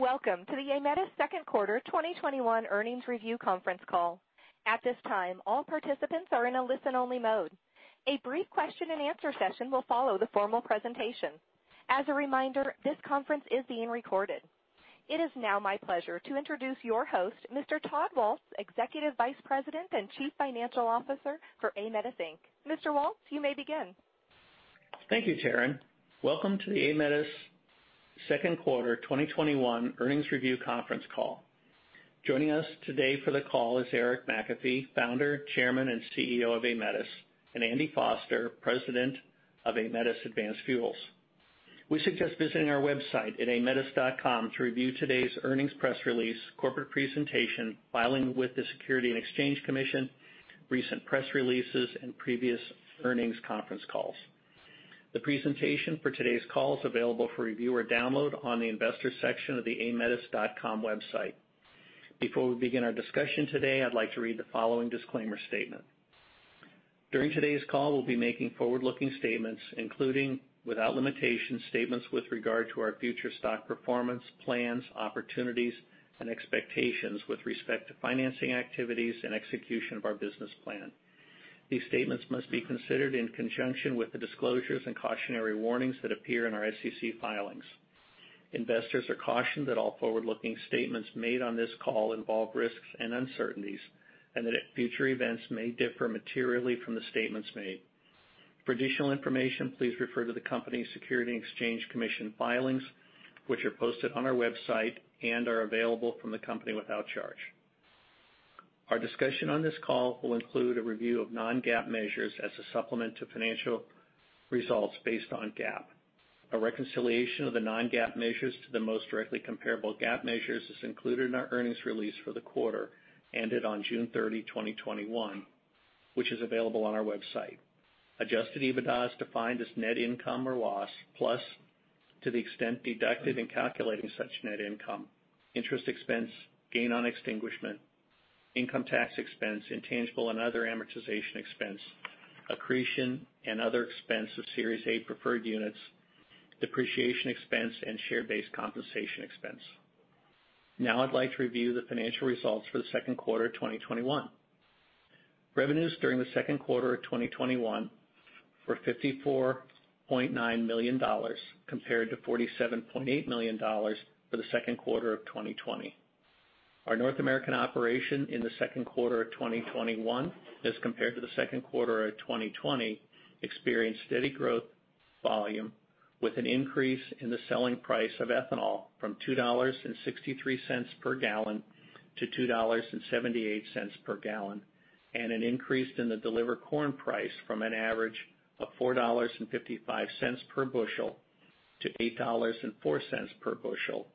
Welcome to the Aemetis second quarter 2021 earnings review conference call. At this time, all participants are in a listen-only mode. A brief question and answer session will follow the formal presentation. As a reminder, this conference is being recorded. It is now my pleasure to introduce your host, Mr. Todd Waltz, Executive Vice President and Chief Financial Officer for Aemetis, Inc.. Mr. Waltz, you may begin. Thank you, Taryn. Welcome to the Aemetis second quarter 2021 earnings review conference call. Joining us today for the call is Eric McAfee, Founder, Chairman, and CEO of Aemetis, and Andy Foster, President of Aemetis Advanced Fuels. We suggest visiting our website at aemetis.com to review today's earnings press release, corporate presentation, filing with the Securities and Exchange Commission, recent press releases, and previous earnings conference calls. The presentation for today's call is available for review or download on the investor section of the aemetis.com website. Before we begin our discussion today, I'd like to read the following disclaimer statement. During today's call, we'll be making forward-looking statements, including, without limitation, statements with regard to our future stock performance, plans, opportunities, and expectations with respect to financing activities and execution of our business plan. These statements must be considered in conjunction with the disclosures and cautionary warnings that appear in our SEC filings. Investors are cautioned that all forward-looking statements made on this call involve risks and uncertainties, and that future events may differ materially from the statements made. For additional information, please refer to the company's Securities and Exchange Commission filings, which are posted on our website and are available from the company without charge. Our discussion on this call will include a review of non-GAAP measures as a supplement to financial results based on GAAP. A reconciliation of the non-GAAP measures to the most directly comparable GAAP measures is included in our earnings release for the quarter ended on June 30, 2021, which is available on our website. Adjusted EBITDA is defined as net income or loss, plus to the extent deducted in calculating such net income, interest expense, gain on extinguishment, income tax expense, intangible and other amortization expense, accretion and other expense of Series A preferred units, depreciation expense, and share-based compensation expense. I'd like to review the financial results for the second quarter of 2021. Revenues during the second quarter of 2021 were $54.9 million, compared to $47.8 million for the second quarter of 2020. Our North American operation in the second quarter of 2021, as compared to the second quarter of 2020, experienced steady growth volume with an increase in the selling price of ethanol from $2.63 per gallon to $2.78 per gallon, and an increase in the delivered corn price from an average of $4.55 per bushel to $8.04 per bushel.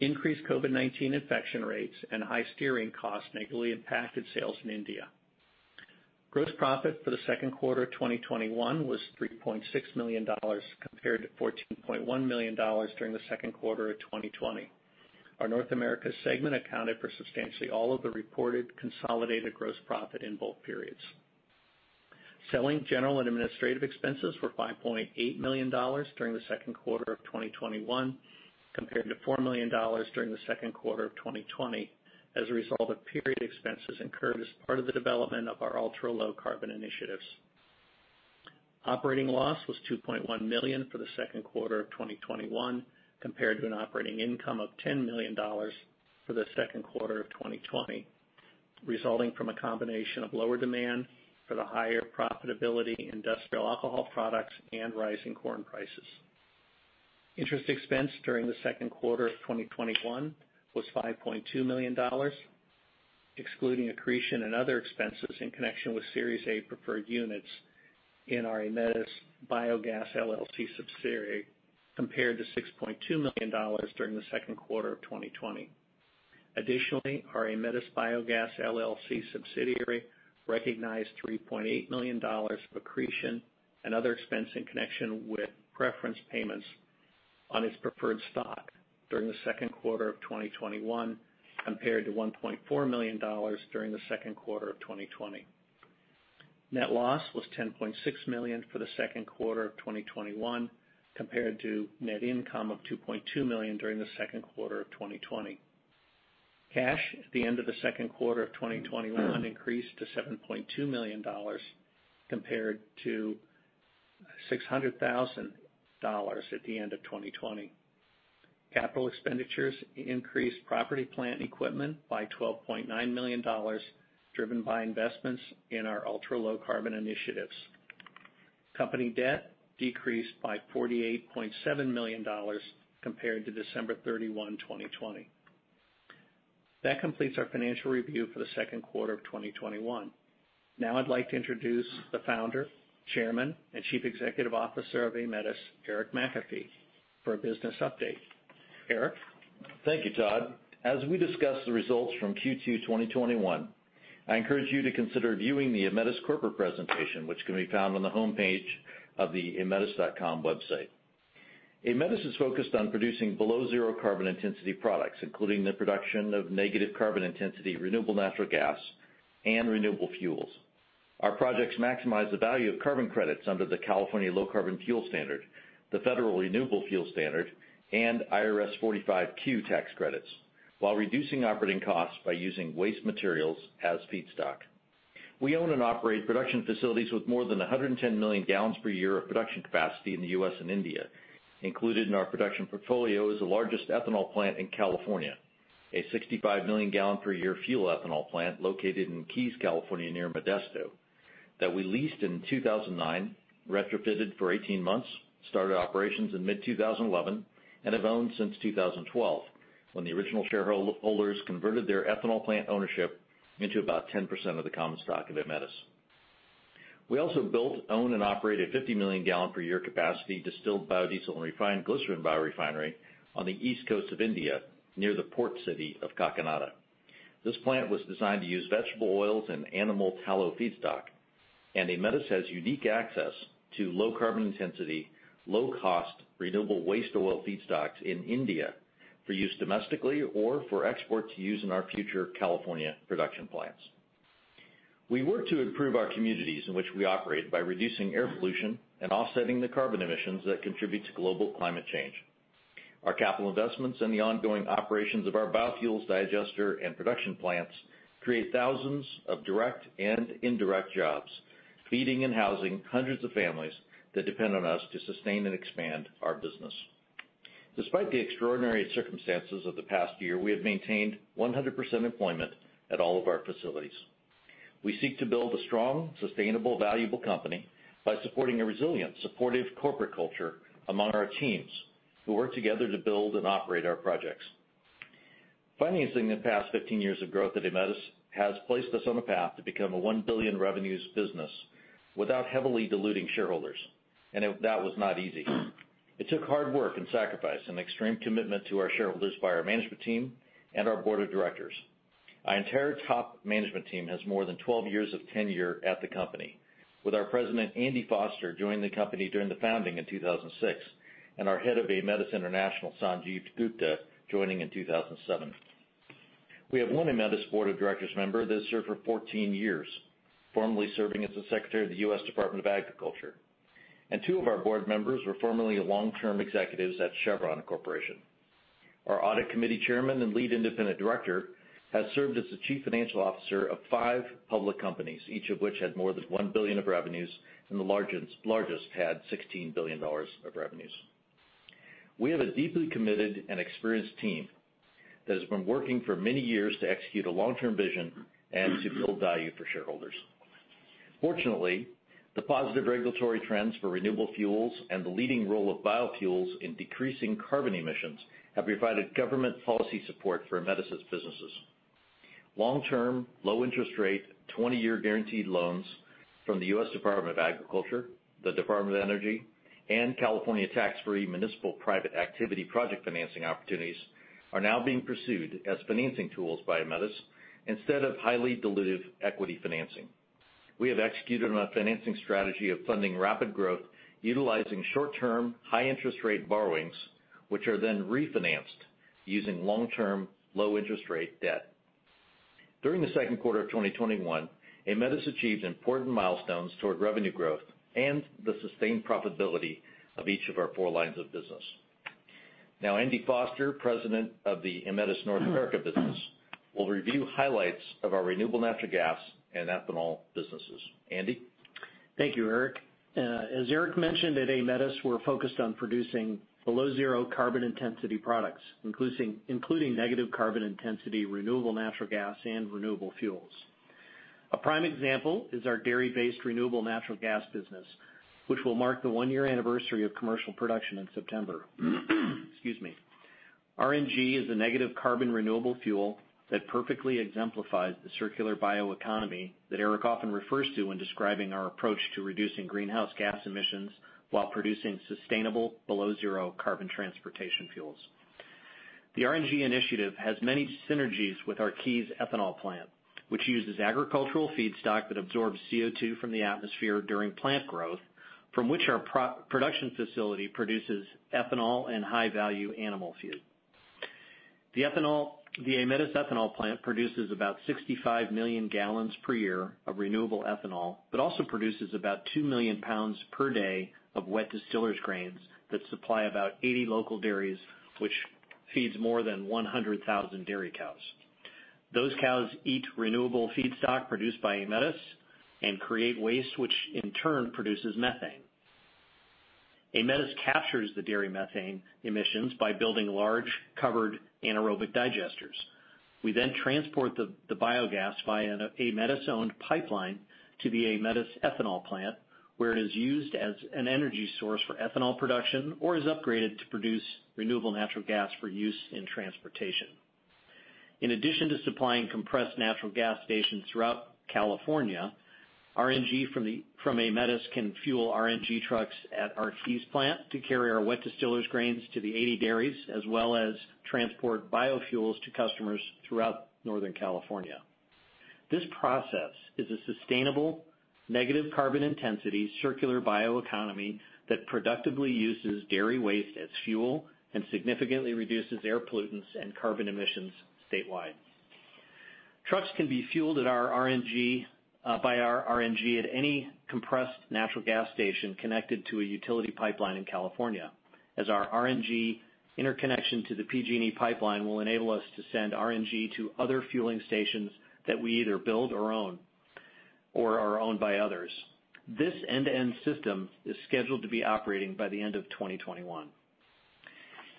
Increased COVID-19 infection rates and high selling costs negatively impacted sales in India. Gross profit for the second quarter 2021 was $3.6 million, compared to $14.1 million during the second quarter of 2020. Our North America segment accounted for substantially all of the reported consolidated gross profit in both periods. Selling, general, and administrative expenses were $5.8 million during the second quarter of 2021, compared to $4 million during the second quarter of 2020 as a result of period expenses incurred as part of the development of our ultra-low carbon initiatives. Operating loss was $2.1 million for the second quarter of 2021, compared to an operating income of $10 million for the second quarter of 2020, resulting from a combination of lower demand for the higher profitability industrial alcohol products and rising corn prices. Interest expense during the second quarter of 2021 was $5.2 million, excluding accretion and other expenses in connection with Series A preferred units in our Aemetis Biogas LLC subsidiary, compared to $6.2 million during the second quarter of 2020. Additionally, our Aemetis Biogas LLC subsidiary recognized $3.8 million of accretion and other expense in connection with preference payments on its preferred stock during the second quarter of 2021, compared to $1.4 million during the second quarter of 2020. Net loss was $10.6 million for the second quarter of 2021, compared to net income of $2.2 million during the second quarter of 2020. Cash at the end of the second quarter of 2021 increased to $7.2 million, compared to $600,000 at the end of 2020. Capital expenditures increased property plant equipment by $12.9 million, driven by investments in our ultra-low carbon initiatives. Company debt decreased by $48.7 million compared to December 31, 2020. That completes our financial review for the second quarter of 2021. Now I'd like to introduce the Founder, Chairman, and Chief Executive Officer of Aemetis, Eric McAfee, for a business update. Eric? Thank you, Todd. As we discuss the results from Q2 2021, I encourage you to consider viewing the Aemetis corporate presentation, which can be found on the homepage of the aemetis.com website. Aemetis is focused on producing below zero carbon intensity products, including the production of negative carbon intensity renewable natural gas and renewable fuels. Our projects maximize the value of carbon credits under the California Low Carbon Fuel Standard, the Federal Renewable Fuel Standard, and IRS 45Q tax credits, while reducing operating costs by using waste materials as feedstock. We own and operate production facilities with more than 110 million gallons per year of production capacity in the U.S. and India. Included in our production portfolio is the largest ethanol plant in California, a 65 million gallon per year fuel ethanol plant located in Keyes, California, near Modesto, that we leased in 2009, retrofitted for 18 months, started operations in mid-2011, and have owned since 2012, when the original shareholders converted their ethanol plant ownership into about 10% of the common stock of Aemetis. We also built, own, and operate a 50 million gallon per year capacity distilled biodiesel and refined glycerin biorefinery on the east coast of India, near the port city of Kakinada. Aemetis has unique access to low carbon intensity, low cost, renewable waste oil feedstocks in India for use domestically or for export to use in our future California production plants. We work to improve our communities in which we operate by reducing air pollution and offsetting the carbon emissions that contribute to global climate change. Our capital investments and the ongoing operations of our biofuels digester and production plants create thousands of direct and indirect jobs, feeding and housing hundreds of families that depend on us to sustain and expand our business. Despite the extraordinary circumstances of the past year, we have maintained 100% employment at all of our facilities. We seek to build a strong, sustainable, valuable company by supporting a resilient, supportive corporate culture among our teams, who work together to build and operate our projects. Financing the past 15 years of growth at Aemetis has placed us on a path to become a $1 billion revenues business without heavily diluting shareholders, and that was not easy. It took hard work and sacrifice and extreme commitment to our shareholders by our management team and our board of directors. Our entire top management team has more than 12 years of tenure at the company, with our president, Andy Foster, joining the company during the founding in 2006, and our head of Aemetis International, Sanjeev Gupta, joining in 2007. We have 1 Aemetis Board of Directors member that has served for 14 years, formerly serving as the Secretary of the U.S. Department of Agriculture. Two of our Board members were formerly long-term executives at Chevron Corporation. Our Audit Committee Chairman and Lead Independent Director has served as the Chief Financial Officer of 5 public companies, each of which had more than $1 billion of revenues, and the largest had $16 billion of revenues. We have a deeply committed and experienced team that has been working for many years to execute a long-term vision and to build value for shareholders. Fortunately, the positive regulatory trends for renewable fuels and the leading role of biofuels in decreasing carbon emissions have provided government policy support for Aemetis' businesses. Long-term, low interest rate, 20-year guaranteed loans from the U.S. Department of Agriculture, the Department of Energy, and California tax-free municipal private activity project financing opportunities are now being pursued as financing tools by Aemetis, instead of highly dilutive equity financing. We have executed a financing strategy of funding rapid growth utilizing short-term, high interest rate borrowings, which are then refinanced using long-term, low interest rate debt. During the second quarter of 2021, Aemetis achieved important milestones toward revenue growth and the sustained profitability of each of our four lines of business. Now, Andy Foster, President of the Aemetis North America Business, will review highlights of our renewable natural gas and ethanol businesses. Andy? Thank you, Eric. As Eric mentioned, at Aemetis, we're focused on producing below zero carbon intensity products, including negative carbon intensity renewable natural gas and renewable fuels. A prime example is our dairy-based renewable natural gas business, which will mark the one-year anniversary of commercial production in September. Excuse me. RNG is a negative carbon renewable fuel that perfectly exemplifies the circular bioeconomy that Eric often refers to when describing our approach to reducing greenhouse gas emissions while producing sustainable below zero carbon transportation fuels. The RNG initiative has many synergies with our Keyes Ethanol Plant, which uses agricultural feedstock that absorbs CO2 from the atmosphere during plant growth, from which our production facility produces ethanol and high-value animal feed. The Aemetis ethanol plant produces about 65 million gallons per year of renewable ethanol, but also produces about 2 million pounds per day of wet distillers grains that supply about 80 local dairies, which feeds more than 100,000 dairy cows. Those cows eat renewable feedstock produced by Aemetis and create waste, which in turn produces methane. Aemetis captures the dairy methane emissions by building large covered anaerobic digesters. We then transport the biogas via an Aemetis-owned pipeline to the Aemetis ethanol plant, where it is used as an energy source for ethanol production or is upgraded to produce renewable natural gas for use in transportation. In addition to supplying compressed natural gas stations throughout California, RNG from Aemetis can fuel RNG trucks at our Keyes plant to carry our wet distillers grains to the 80 dairies, as well as transport biofuels to customers throughout Northern California. This process is a sustainable negative carbon intensity circular bioeconomy that productively uses dairy waste as fuel and significantly reduces air pollutants and carbon emissions statewide. Trucks can be fueled by our RNG at any compressed natural gas station connected to a utility pipeline in California, as our RNG interconnection to the PG&E pipeline will enable us to send RNG to other fueling stations that we either build or own, or are owned by others. This end-to-end system is scheduled to be operating by the end of 2021.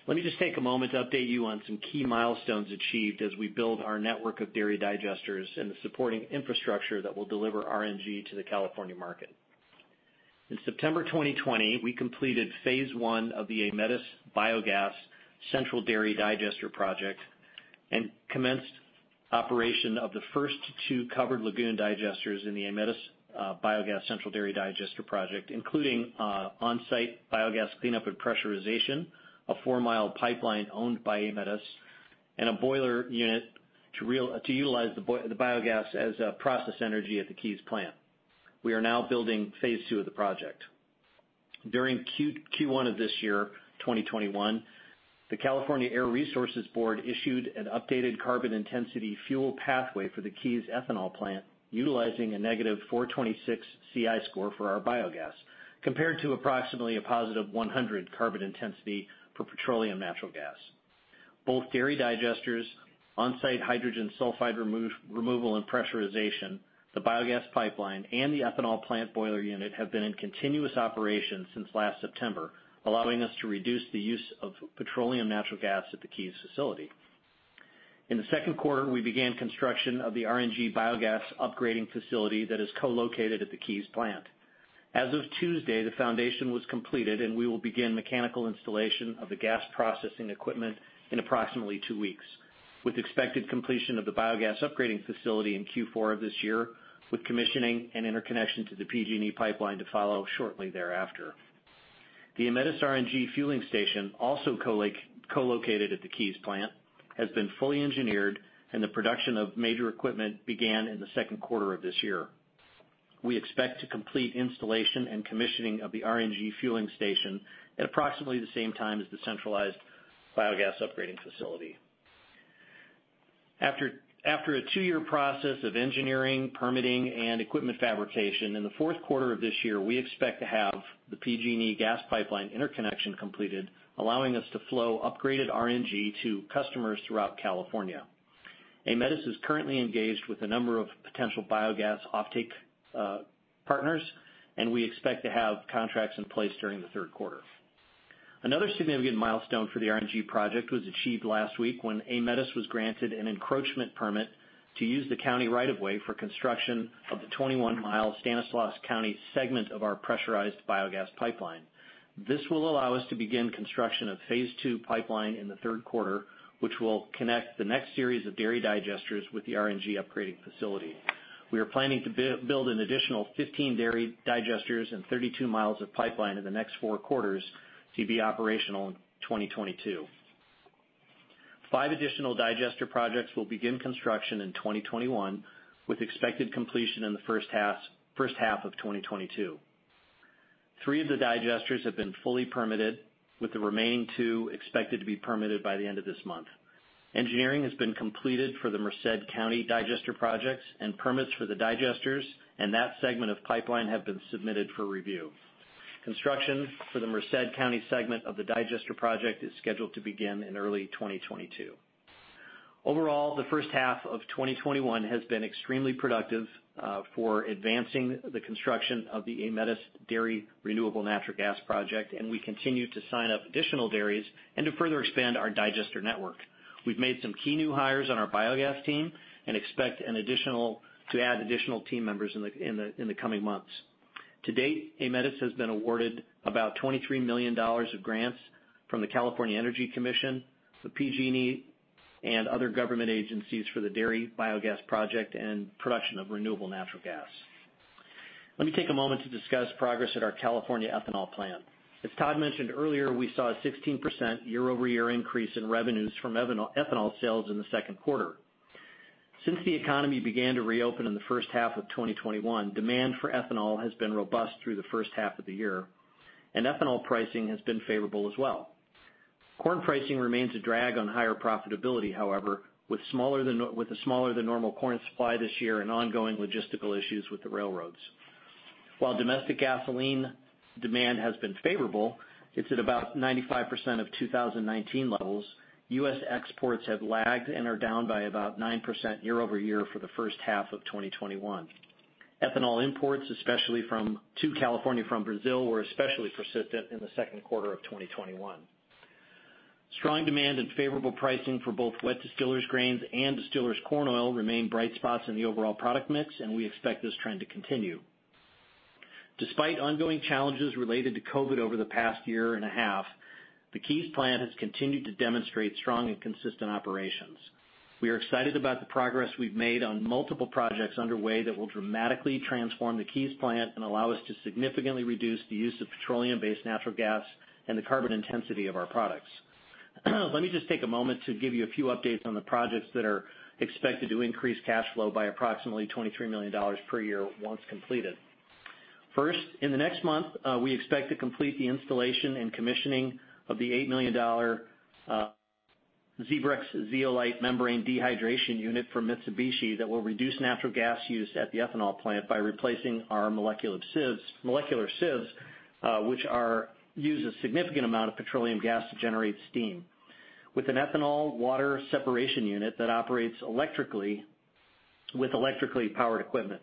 Let me just take a moment to update you on some key milestones achieved as we build our network of dairy digesters and the supporting infrastructure that will deliver RNG to the California market. In September 2020, we completed phase 1 of the Aemetis Biogas Central Dairy Digester Project and commenced operation of the first 2 covered lagoon digesters in the Aemetis Biogas Central Dairy Digester Project, including onsite biogas cleanup and pressurization, a 4-mile pipeline owned by Aemetis, and a boiler unit to utilize the biogas as process energy at the Keyes Ethanol Plant. We are now building phase 2 of the project. During Q1 of this year, 2021, the California Air Resources Board issued an updated carbon intensity fuel pathway for the Keyes Ethanol Plant, utilizing a negative 426 CI score for our biogas, compared to approximately a positive 100 carbon intensity for petroleum natural gas. Both dairy digesters, onsite hydrogen sulfide removal and pressurization, the biogas pipeline, and the ethanol plant boiler unit have been in continuous operation since last September, allowing us to reduce the use of petroleum natural gas at the Keyes facility. In the second quarter, we began construction of the RNG biogas upgrading facility that is co-located at the Keyes plant. As of Tuesday, the foundation was completed, and we will begin mechanical installation of the gas processing equipment in approximately two weeks, with expected completion of the biogas upgrading facility in Q4 of this year, with commissioning and interconnection to the PG&E pipeline to follow shortly thereafter. The Aemetis RNG fueling station, also co-located at the Keyes plant, has been fully engineered, and the production of major equipment began in the second quarter of this year. We expect to complete installation and commissioning of the RNG fueling station at approximately the same time as the centralized biogas upgrading facility. After a two-year process of engineering, permitting, and equipment fabrication, in the fourth quarter of this year, we expect to have the PG&E gas pipeline interconnection completed, allowing us to flow upgraded RNG to customers throughout California. Aemetis is currently engaged with a number of potential biogas offtake partners, and we expect to have contracts in place during the third quarter. Another significant milestone for the RNG project was achieved last week when Aemetis was granted an encroachment permit to use the county right of way for construction of the 21-mile Stanislaus County segment of our pressurized biogas pipeline. This will allow us to begin construction of phase 2 pipeline in the 3rd quarter, which will connect the next series of dairy digesters with the RNG upgrading facility. We are planning to build an additional 15 dairy digesters and 32 miles of pipeline in the next 4 quarters to be operational in 2022. 5 additional digester projects will begin construction in 2021, with expected completion in the 1st half of 2022. 3 of the digesters have been fully permitted, with the remaining 2 expected to be permitted by the end of this month. Engineering has been completed for the Merced County digester projects, and permits for the digesters and that segment of pipeline have been submitted for review. Construction for the Merced County segment of the digester project is scheduled to begin in early 2022. Overall, the first half of 2021 has been extremely productive for advancing the construction of the Aemetis Dairy Renewable Natural Gas project, and we continue to sign up additional dairies and to further expand our digester network. We've made some key new hires on our biogas team and expect to add additional team members in the coming months. To date, Aemetis has been awarded about $23 million of grants from the California Energy Commission, the PG&E, and other government agencies for the dairy biogas project and production of renewable natural gas. Let me take a moment to discuss progress at our California ethanol plant. As Todd mentioned earlier, we saw a 16% year-over-year increase in revenues from ethanol sales in the second quarter. Since the economy began to reopen in the first half of 2021, demand for ethanol has been robust through the first half of the year. Ethanol pricing has been favorable as well. Corn pricing remains a drag on higher profitability, however, with a smaller than normal corn supply this year and ongoing logistical issues with the railroads. While domestic gasoline demand has been favorable, it's at about 95% of 2019 levels. U.S. exports have lagged and are down by about 9% year-over-year for the first half of 2021. Ethanol imports, especially to California from Brazil, were especially persistent in the second quarter of 2021. Strong demand and favorable pricing for both wet distillers grains and distillers corn oil remain bright spots in the overall product mix. We expect this trend to continue. Despite ongoing challenges related to COVID over the past year and a half, the Keyes plant has continued to demonstrate strong and consistent operations. We are excited about the progress we've made on multiple projects underway that will dramatically transform the Keyes plant and allow us to significantly reduce the use of petroleum-based natural gas and the carbon intensity of our products. Let me just take a moment to give you a few updates on the projects that are expected to increase cash flow by approximately $23 million per year once completed. First, in the next month, we expect to complete the installation and commissioning of the $8 million ZEBREX zeolite membrane dehydration unit from Mitsubishi that will reduce natural gas use at the ethanol plant by replacing our molecular sieves, which use a significant amount of petroleum gas to generate steam, with an ethanol water separation unit that operates electrically with electrically powered equipment.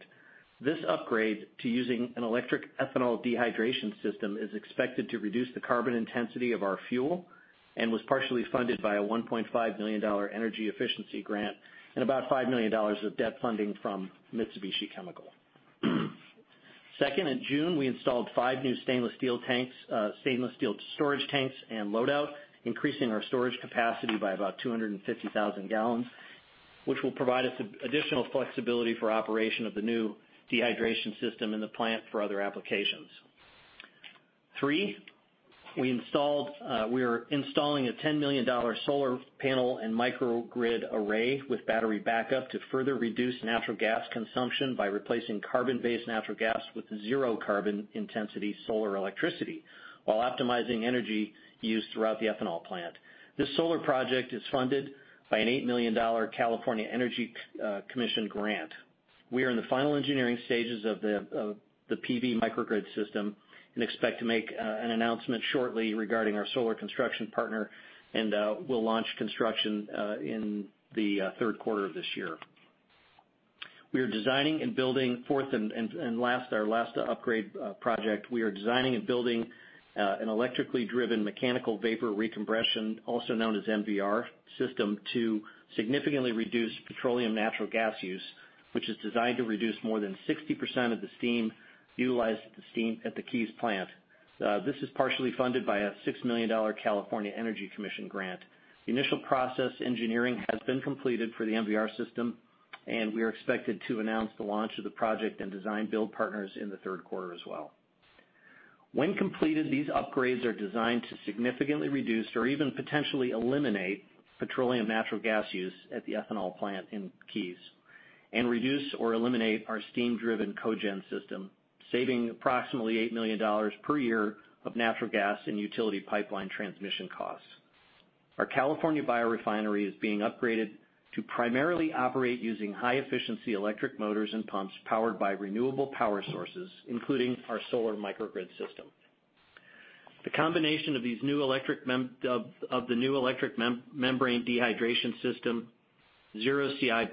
This upgrade to using an electric ethanol dehydration system is expected to reduce the carbon intensity of our fuel, and was partially funded by a $1.5 million energy efficiency grant and about $5 million of debt funding from Mitsubishi Chemical. Second, in June, we installed five new stainless steel storage tanks and load-out, increasing our storage capacity by about 250,000 gallons, which will provide us additional flexibility for operation of the new dehydration system in the plant for other applications. Three, we are installing a $10 million solar panel and microgrid array with battery backup to further reduce natural gas consumption by replacing carbon-based natural gas with zero carbon intensity solar electricity while optimizing energy use throughout the ethanol plant. This solar project is funded by an $8 million California Energy Commission grant. We are in the final engineering stages of the PV microgrid system and expect to make an announcement shortly regarding our solar construction partner, and we will launch construction in the third quarter of this year. Fourth, and our last upgrade project, we are designing and building an electrically driven mechanical vapor recompression, also known as MVR system, to significantly reduce petroleum natural gas use, which is designed to reduce more than 60% of the steam utilized at the Keyes plant. This is partially funded by a $6 million California Energy Commission grant. The initial process engineering has been completed for the MVR system, and we are expected to announce the launch of the project and design build partners in the third quarter as well. When completed, these upgrades are designed to significantly reduce or even potentially eliminate petroleum natural gas use at the ethanol plant in Keyes, and reduce or eliminate our steam-driven cogen system, saving approximately $8 million per year of natural gas and utility pipeline transmission costs. Our California biorefinery is being upgraded to primarily operate using high-efficiency electric motors and pumps powered by renewable power sources, including our solar microgrid system. The combination of the new electric membrane dehydration system, zero CI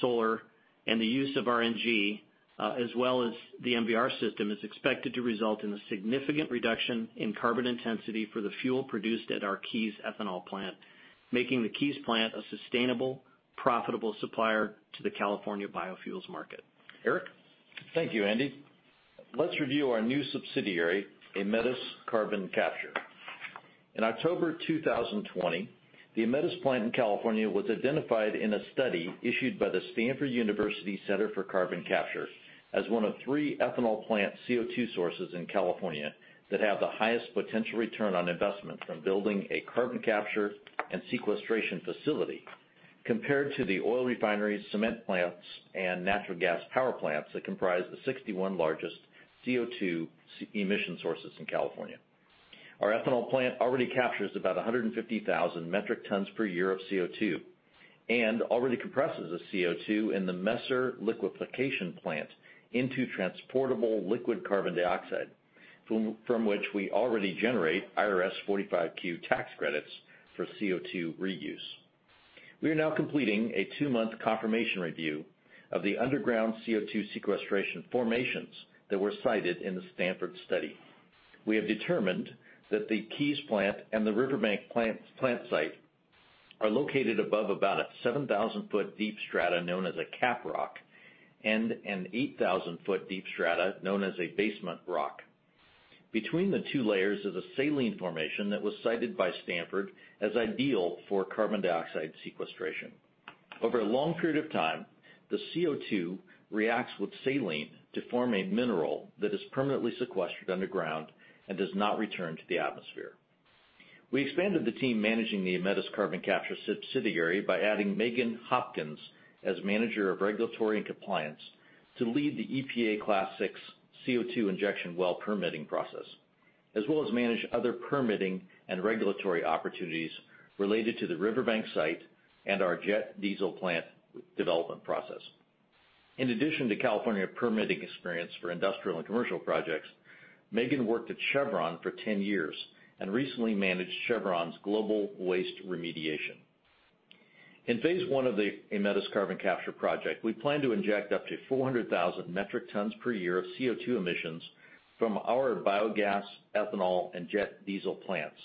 solar, and the use of RNG, as well as the MVR system, is expected to result in a significant reduction in carbon intensity for the fuel produced at our Keyes Ethanol Plant, making the Keyes Plant a sustainable, profitable supplier to the California biofuels market. Eric? Thank you, Andy. Let's review our new subsidiary, Aemetis Carbon Capture. In October 2020, the Aemetis plant in California was identified in a study issued by the Stanford Center for Carbon Storage as one of three ethanol plant CO2 sources in California that have the highest potential return on investment from building a carbon capture and sequestration facility compared to the oil refineries, cement plants, and natural gas power plants that comprise the 61 largest CO2 emission sources in California. Our ethanol plant already captures about 150,000 metric tons per year of CO2, and already compresses the CO2 in the Messer liquefaction plant into transportable liquid carbon dioxide from which we already generate IRS 45Q tax credits for CO2 reuse. We are now completing a two-month confirmation review of the underground CO2 sequestration formations that were cited in the Stanford study. We have determined that the Keyes plant and the Riverbank plant site are located above about a 7,000-foot deep strata known as a cap rock, and an 8,000-foot deep strata known as a basement rock. Between the two layers is a saline formation that was cited by Stanford as ideal for carbon dioxide sequestration. Over a long period of time, the CO2 reacts with saline to form a mineral that is permanently sequestered underground and does not return to the atmosphere. We expanded the team managing the Aemetis carbon capture subsidiary by adding Mehagan Hopkins as Manager of Regulatory and Compliance to lead the EPA Class VI CO2 injection well permitting process, as well as manage other permitting and regulatory opportunities related to the Riverbank site and our jet diesel plant development process. In addition to California permitting experience for industrial and commercial projects, Mehagan worked at Chevron for 10 years and recently managed Chevron's global waste remediation. In phase 1 of the Aemetis Carbon Capture project, we plan to inject up to 400,000 metric tons per year of CO2 emissions from our biogas, ethanol, and jet diesel plants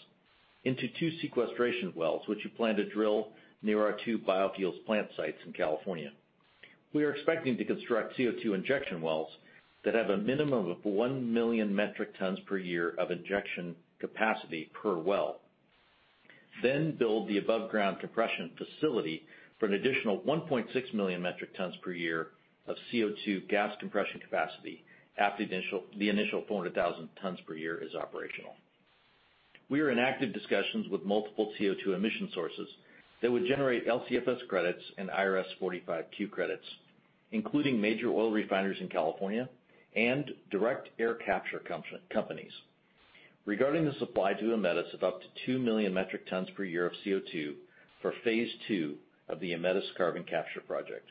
into 2 sequestration wells, which we plan to drill near our 2 biofuels plant sites in California. We are expecting to construct CO2 injection wells that have a minimum of 1 million metric tons per year of injection capacity per well, then build the above-ground compression facility for an additional 1.6 million metric tons per year of CO2 gas compression capacity after the initial 400,000 tons per year is operational. We are in active discussions with multiple CO2 emission sources that would generate LCFS credits and IRS 45Q credits, including major oil refineries in California and direct air capture companies. Regarding the supply to Aemetis of up to 2 million metric tons per year of CO2 for phase 2 of the Aemetis carbon capture project.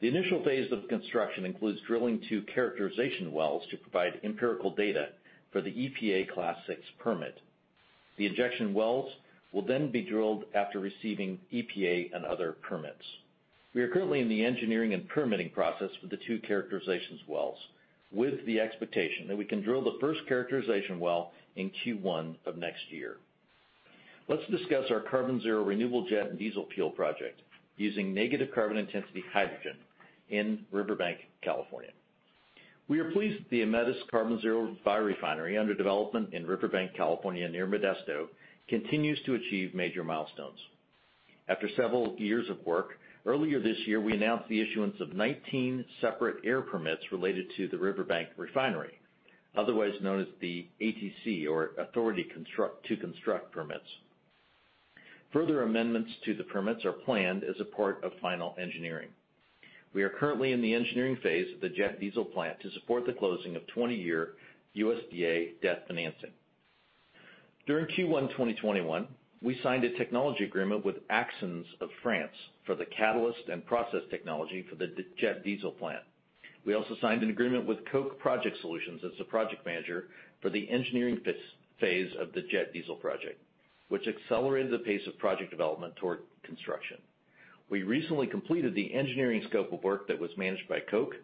The initial phase of construction includes drilling 2 characterization wells to provide empirical data for the EPA Class VI permit. The injection wells will be drilled after receiving EPA and other permits. We are currently in the engineering and permitting process for the 2 characterizations wells, with the expectation that we can drill the first characterization well in Q1 of next year. Let's discuss our Carbon Zero Renewable Jet and Diesel Fuel project using negative carbon intensity hydrogen in Riverbank, California. We are pleased that the Aemetis Carbon Zero biorefinery under development in Riverbank, California, near Modesto, continues to achieve major milestones. After several years of work, earlier this year, we announced the issuance of 19 separate air permits related to the Riverbank refinery, otherwise known as the ATC or Authority to Construct permits. Further amendments to the permits are planned as a part of final engineering. We are currently in the engineering phase of the jet diesel plant to support the closing of 20-year USDA debt financing. During Q1 2021, we signed a technology agreement with Axens of France for the catalyst and process technology for the jet diesel plant. We also signed an agreement with Koch Project Solutions as the project manager for the engineering phase of the jet diesel project, which accelerated the pace of project development toward construction. We recently completed the engineering scope of work that was managed by Koch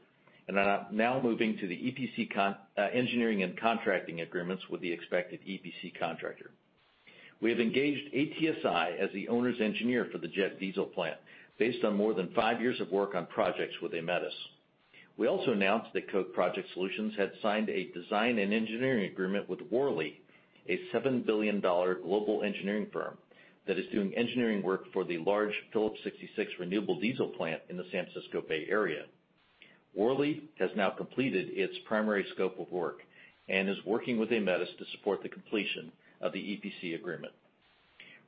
and are now moving to the EPC engineering and contracting agreements with the expected EPC contractor. We have engaged ATSI as the owner's engineer for the jet diesel plant, based on more than five years of work on projects with Aemetis. We also announced that Koch Project Solutions had signed a design and engineering agreement with Worley, a $7 billion global engineering firm that is doing engineering work for the large Phillips 66 renewable diesel plant in the San Francisco Bay Area. Worley has now completed its primary scope of work and is working with Aemetis to support the completion of the EPC agreement.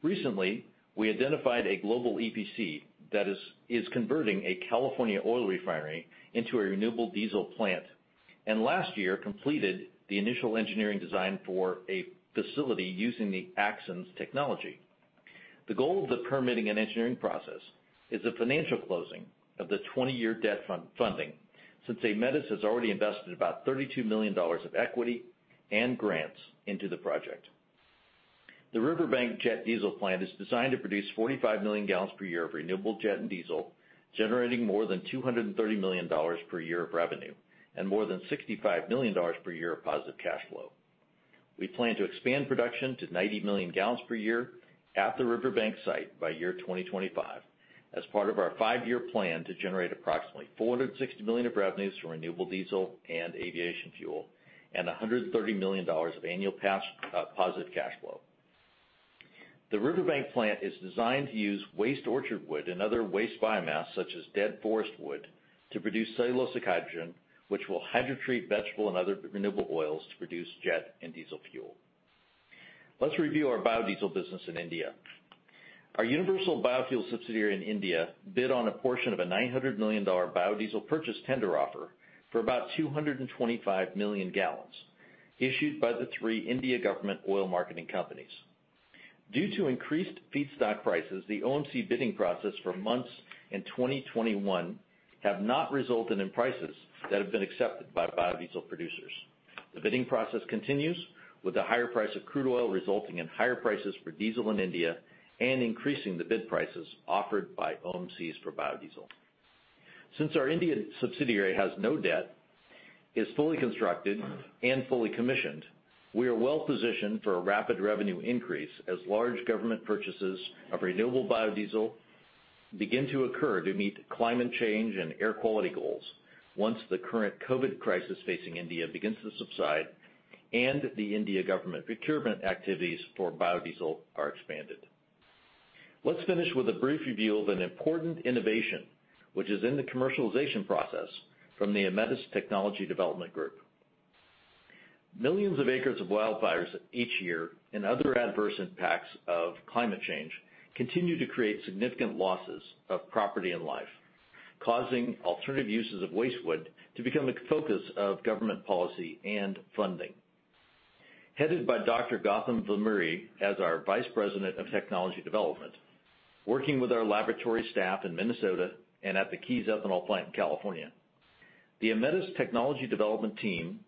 Recently, we identified a global EPC that is converting a California oil refinery into a renewable diesel plant, and last year completed the initial engineering design for a facility using the Axens technology. The goal of the permitting and engineering process is the financial closing of the 20-year debt funding, since Aemetis has already invested about $32 million of equity and grants into the project. The Riverbank jet diesel plant is designed to produce 45 million gallons per year of renewable jet and diesel, generating more than $230 million per year of revenue and more than $65 million per year of positive cash flow. We plan to expand production to 90 million gallons per year at the Riverbank site by year 2025 as part of our five-year plan to generate approximately $460 million of revenues from renewable diesel and aviation fuel and $130 million of annual positive cash flow. The Riverbank plant is designed to use waste orchard wood and other waste biomass, such as dead forest wood, to produce cellulosic hydrogen, which will hydrotreat vegetable and other renewable oils to produce jet and diesel fuel. Let's review our biodiesel business in India. Our Universal Biofuels subsidiary in India bid on a portion of a $900 million biodiesel purchase tender offer for about 225 million gallons issued by the three India government oil marketing companies. Due to increased feedstock prices, the OMC bidding process for months in 2021 have not resulted in prices that have been accepted by biodiesel producers. The bidding process continues, with the higher price of crude oil resulting in higher prices for diesel in India and increasing the bid prices offered by OMCs for biodiesel. Since our Indian subsidiary has no debt, is fully constructed and fully commissioned, we are well positioned for a rapid revenue increase as large government purchases of renewable biodiesel begin to occur to meet climate change and air quality goals once the current COVID crisis facing India begins to subside and the India government procurement activities for biodiesel are expanded. Let's finish with a brief review of an important innovation, which is in the commercialization process from the Aemetis technology development group. Millions of acres of wildfires each year and other adverse impacts of climate change continue to create significant losses of property and life, causing alternative uses of waste wood to become a focus of government policy and funding. Headed by Dr. Goutham Vemuri as our Vice President of Technology Development, working with our laboratory staff in Minnesota and at the Keyes Ethanol Plant in California, the Aemetis technology development team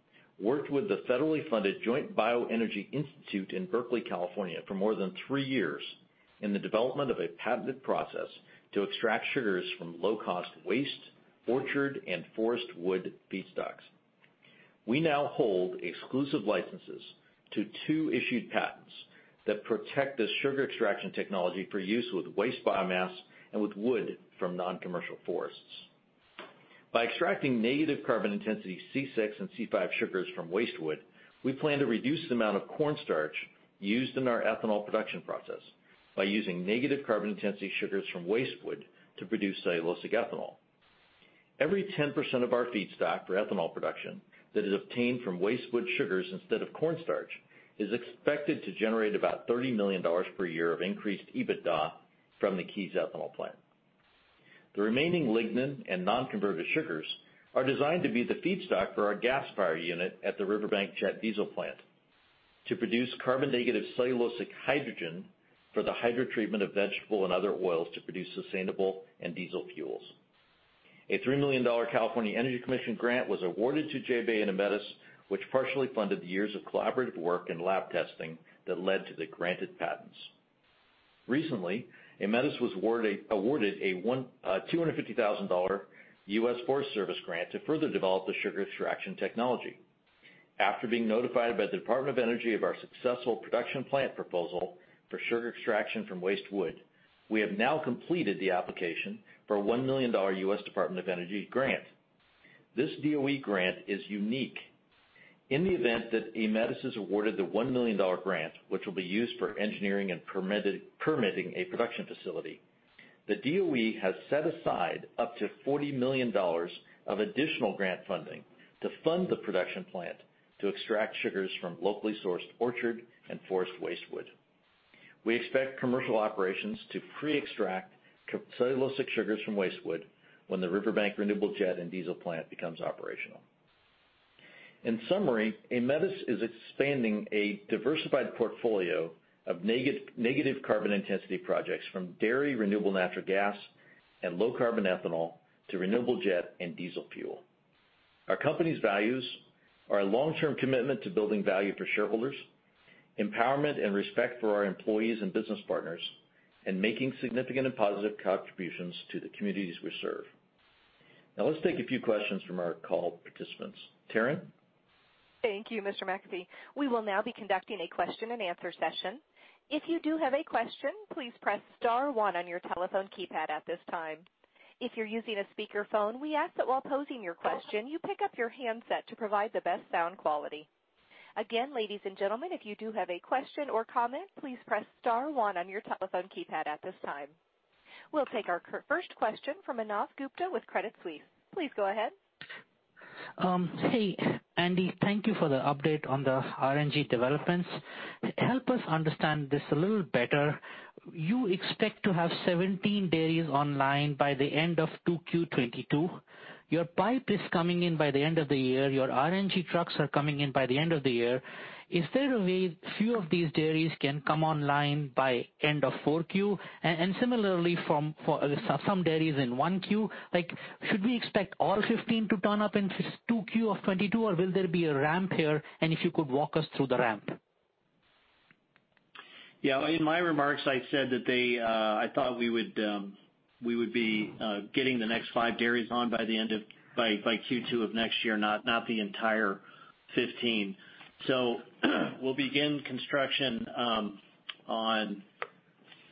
worked with the federally funded Joint BioEnergy Institute in Berkeley, California, for more than three years in the development of a patented process to extract sugars from low-cost waste, orchard, and forest wood feedstocks. We now hold exclusive licenses to two issued patents that protect the sugar extraction technology for use with waste biomass and with wood from non-commercial forests. By extracting negative carbon intensity C6 and C5 sugars from waste wood, we plan to reduce the amount of corn starch used in our ethanol production process by using negative carbon intensity sugars from waste wood to produce cellulosic ethanol. Every 10% of our feedstock for ethanol production that is obtained from waste wood sugars instead of corn starch is expected to generate about $30 million per year of increased EBITDA from the Keyes ethanol plant. The remaining lignin and non-converted sugars are designed to be the feedstock for our gasifier unit at the Riverbank jet diesel plant to produce carbon-negative cellulosic hydrogen for the hydrotreatment of vegetable and other oils to produce sustainable and diesel fuels. A $3 million California Energy Commission grant was awarded to JBEI and Aemetis, which partially funded the years of collaborative work and lab testing that led to the granted patents. Recently, Aemetis was awarded a $250,000 U.S. Forest Service grant to further develop the sugar extraction technology. After being notified by the Department of Energy of our successful production plant proposal for sugar extraction from waste wood, we have now completed the application for a $1 million U.S. Department of Energy grant. This DOE grant is unique. In the event that Aemetis is awarded the $1 million grant, which will be used for engineering and permitting a production facility, the DOE has set aside up to $40 million of additional grant funding to fund the production plant to extract sugars from locally sourced orchard and forest waste wood. We expect commercial operations to pre-extract cellulosic sugars from waste wood when the Riverbank Renewable Jet and Diesel Plant becomes operational. In summary, Aemetis is expanding a diversified portfolio of negative carbon intensity projects from dairy renewable natural gas and low carbon ethanol to renewable jet and diesel fuel. Our company's values are a long-term commitment to building value for shareholders, empowerment and respect for our employees and business partners, and making significant and positive contributions to the communities we serve. Let's take a few questions from our call participants. Taryn? Thank you, Mr. McAfee. We will now be conducting a question and answer session. If you do have a question, please press star 1 on your telephone keypad at this time. If you're using a speakerphone, we ask that while posing your question, you pick up your handset to provide the best sound quality. Again, ladies and gentlemen, if you do have a question or comment, please press star 1 on your telephone keypad at this time. We'll take our first question from Manav Gupta with Credit Suisse. Please go ahead. Hey, Andy, thank you for the update on the RNG developments. Help us understand this a little better. You expect to have 17 dairies online by the end of 2Q22. Your pipe is coming in by the end of the year. Your RNG trucks are coming in by the end of the year. Is there a way few of these dairies can come online by end of 4Q? Similarly, for some dairies in 1Q, should we expect all 15 to turn up in 2Q of '22, or will there be a ramp here, and if you could walk us through the ramp? Yeah. In my remarks, I said that I thought we would be getting the next 5 dairies on by Q2 of next year, not the entire 15. We'll begin construction on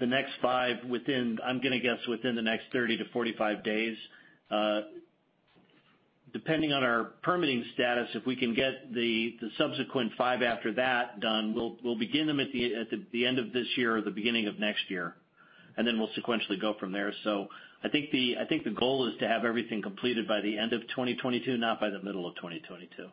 the next 5 within, I'm going to guess, within the next 30-45 days. Depending on our permitting status, if we can get the subsequent 5 after that done, we'll begin them at the end of this year or the beginning of next year, and then we'll sequentially go from there. I think the goal is to have everything completed by the end of 2022, not by the middle of 2022.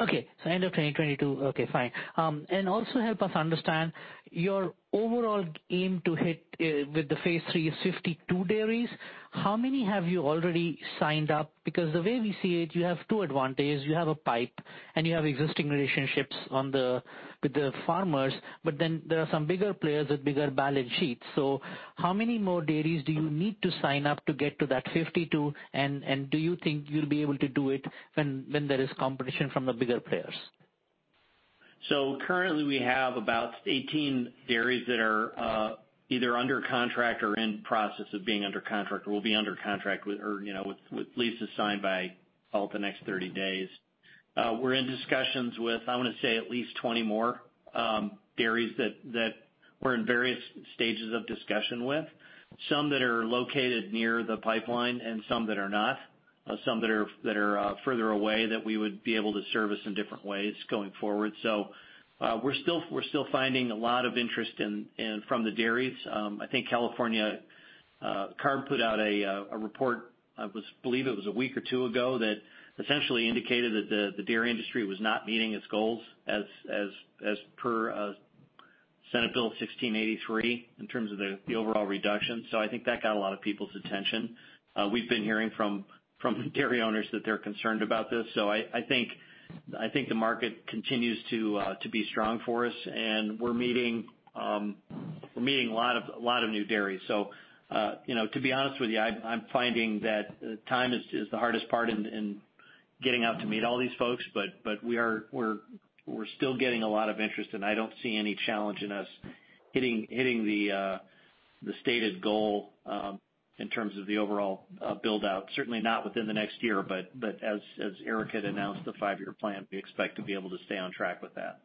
Okay. End of 2022. Okay, fine. Also help us understand, your overall aim to hit with the phase 3 is 52 dairies. How many have you already signed up? The way we see it, you have two advantages. You have a pipe, and you have existing relationships with the farmers. There are some bigger players with bigger balance sheets. How many more dairies do you need to sign up to get to that 52, and do you think you'll be able to do it when there is competition from the bigger players? Currently we have about 18 dairies that are either under contract or in process of being under contract, or will be under contract with leases signed by the next 30 days. We're in discussions with, I want to say, at least 20 more dairies that we're in various stages of discussion with. Some that are located near the pipeline and some that are not. Some that are further away that we would be able to service in different ways going forward. We're still finding a lot of interest from the dairies. I think California CARB put out a report, I believe it was a week or two ago, that essentially indicated that the dairy industry was not meeting its goals as per Senate Bill 1383 in terms of the overall reduction. I think that got a lot of people's attention. We've been hearing from dairy owners that they're concerned about this. I think the market continues to be strong for us, and we're meeting a lot of new dairies. To be honest with you, I'm finding that time is the hardest part in getting out to meet all these folks. We're still getting a lot of interest, and I don't see any challenge in us hitting the stated goal in terms of the overall build-out. Certainly not within the next year, but as Eric had announced, the 5-year plan, we expect to be able to stay on track with that.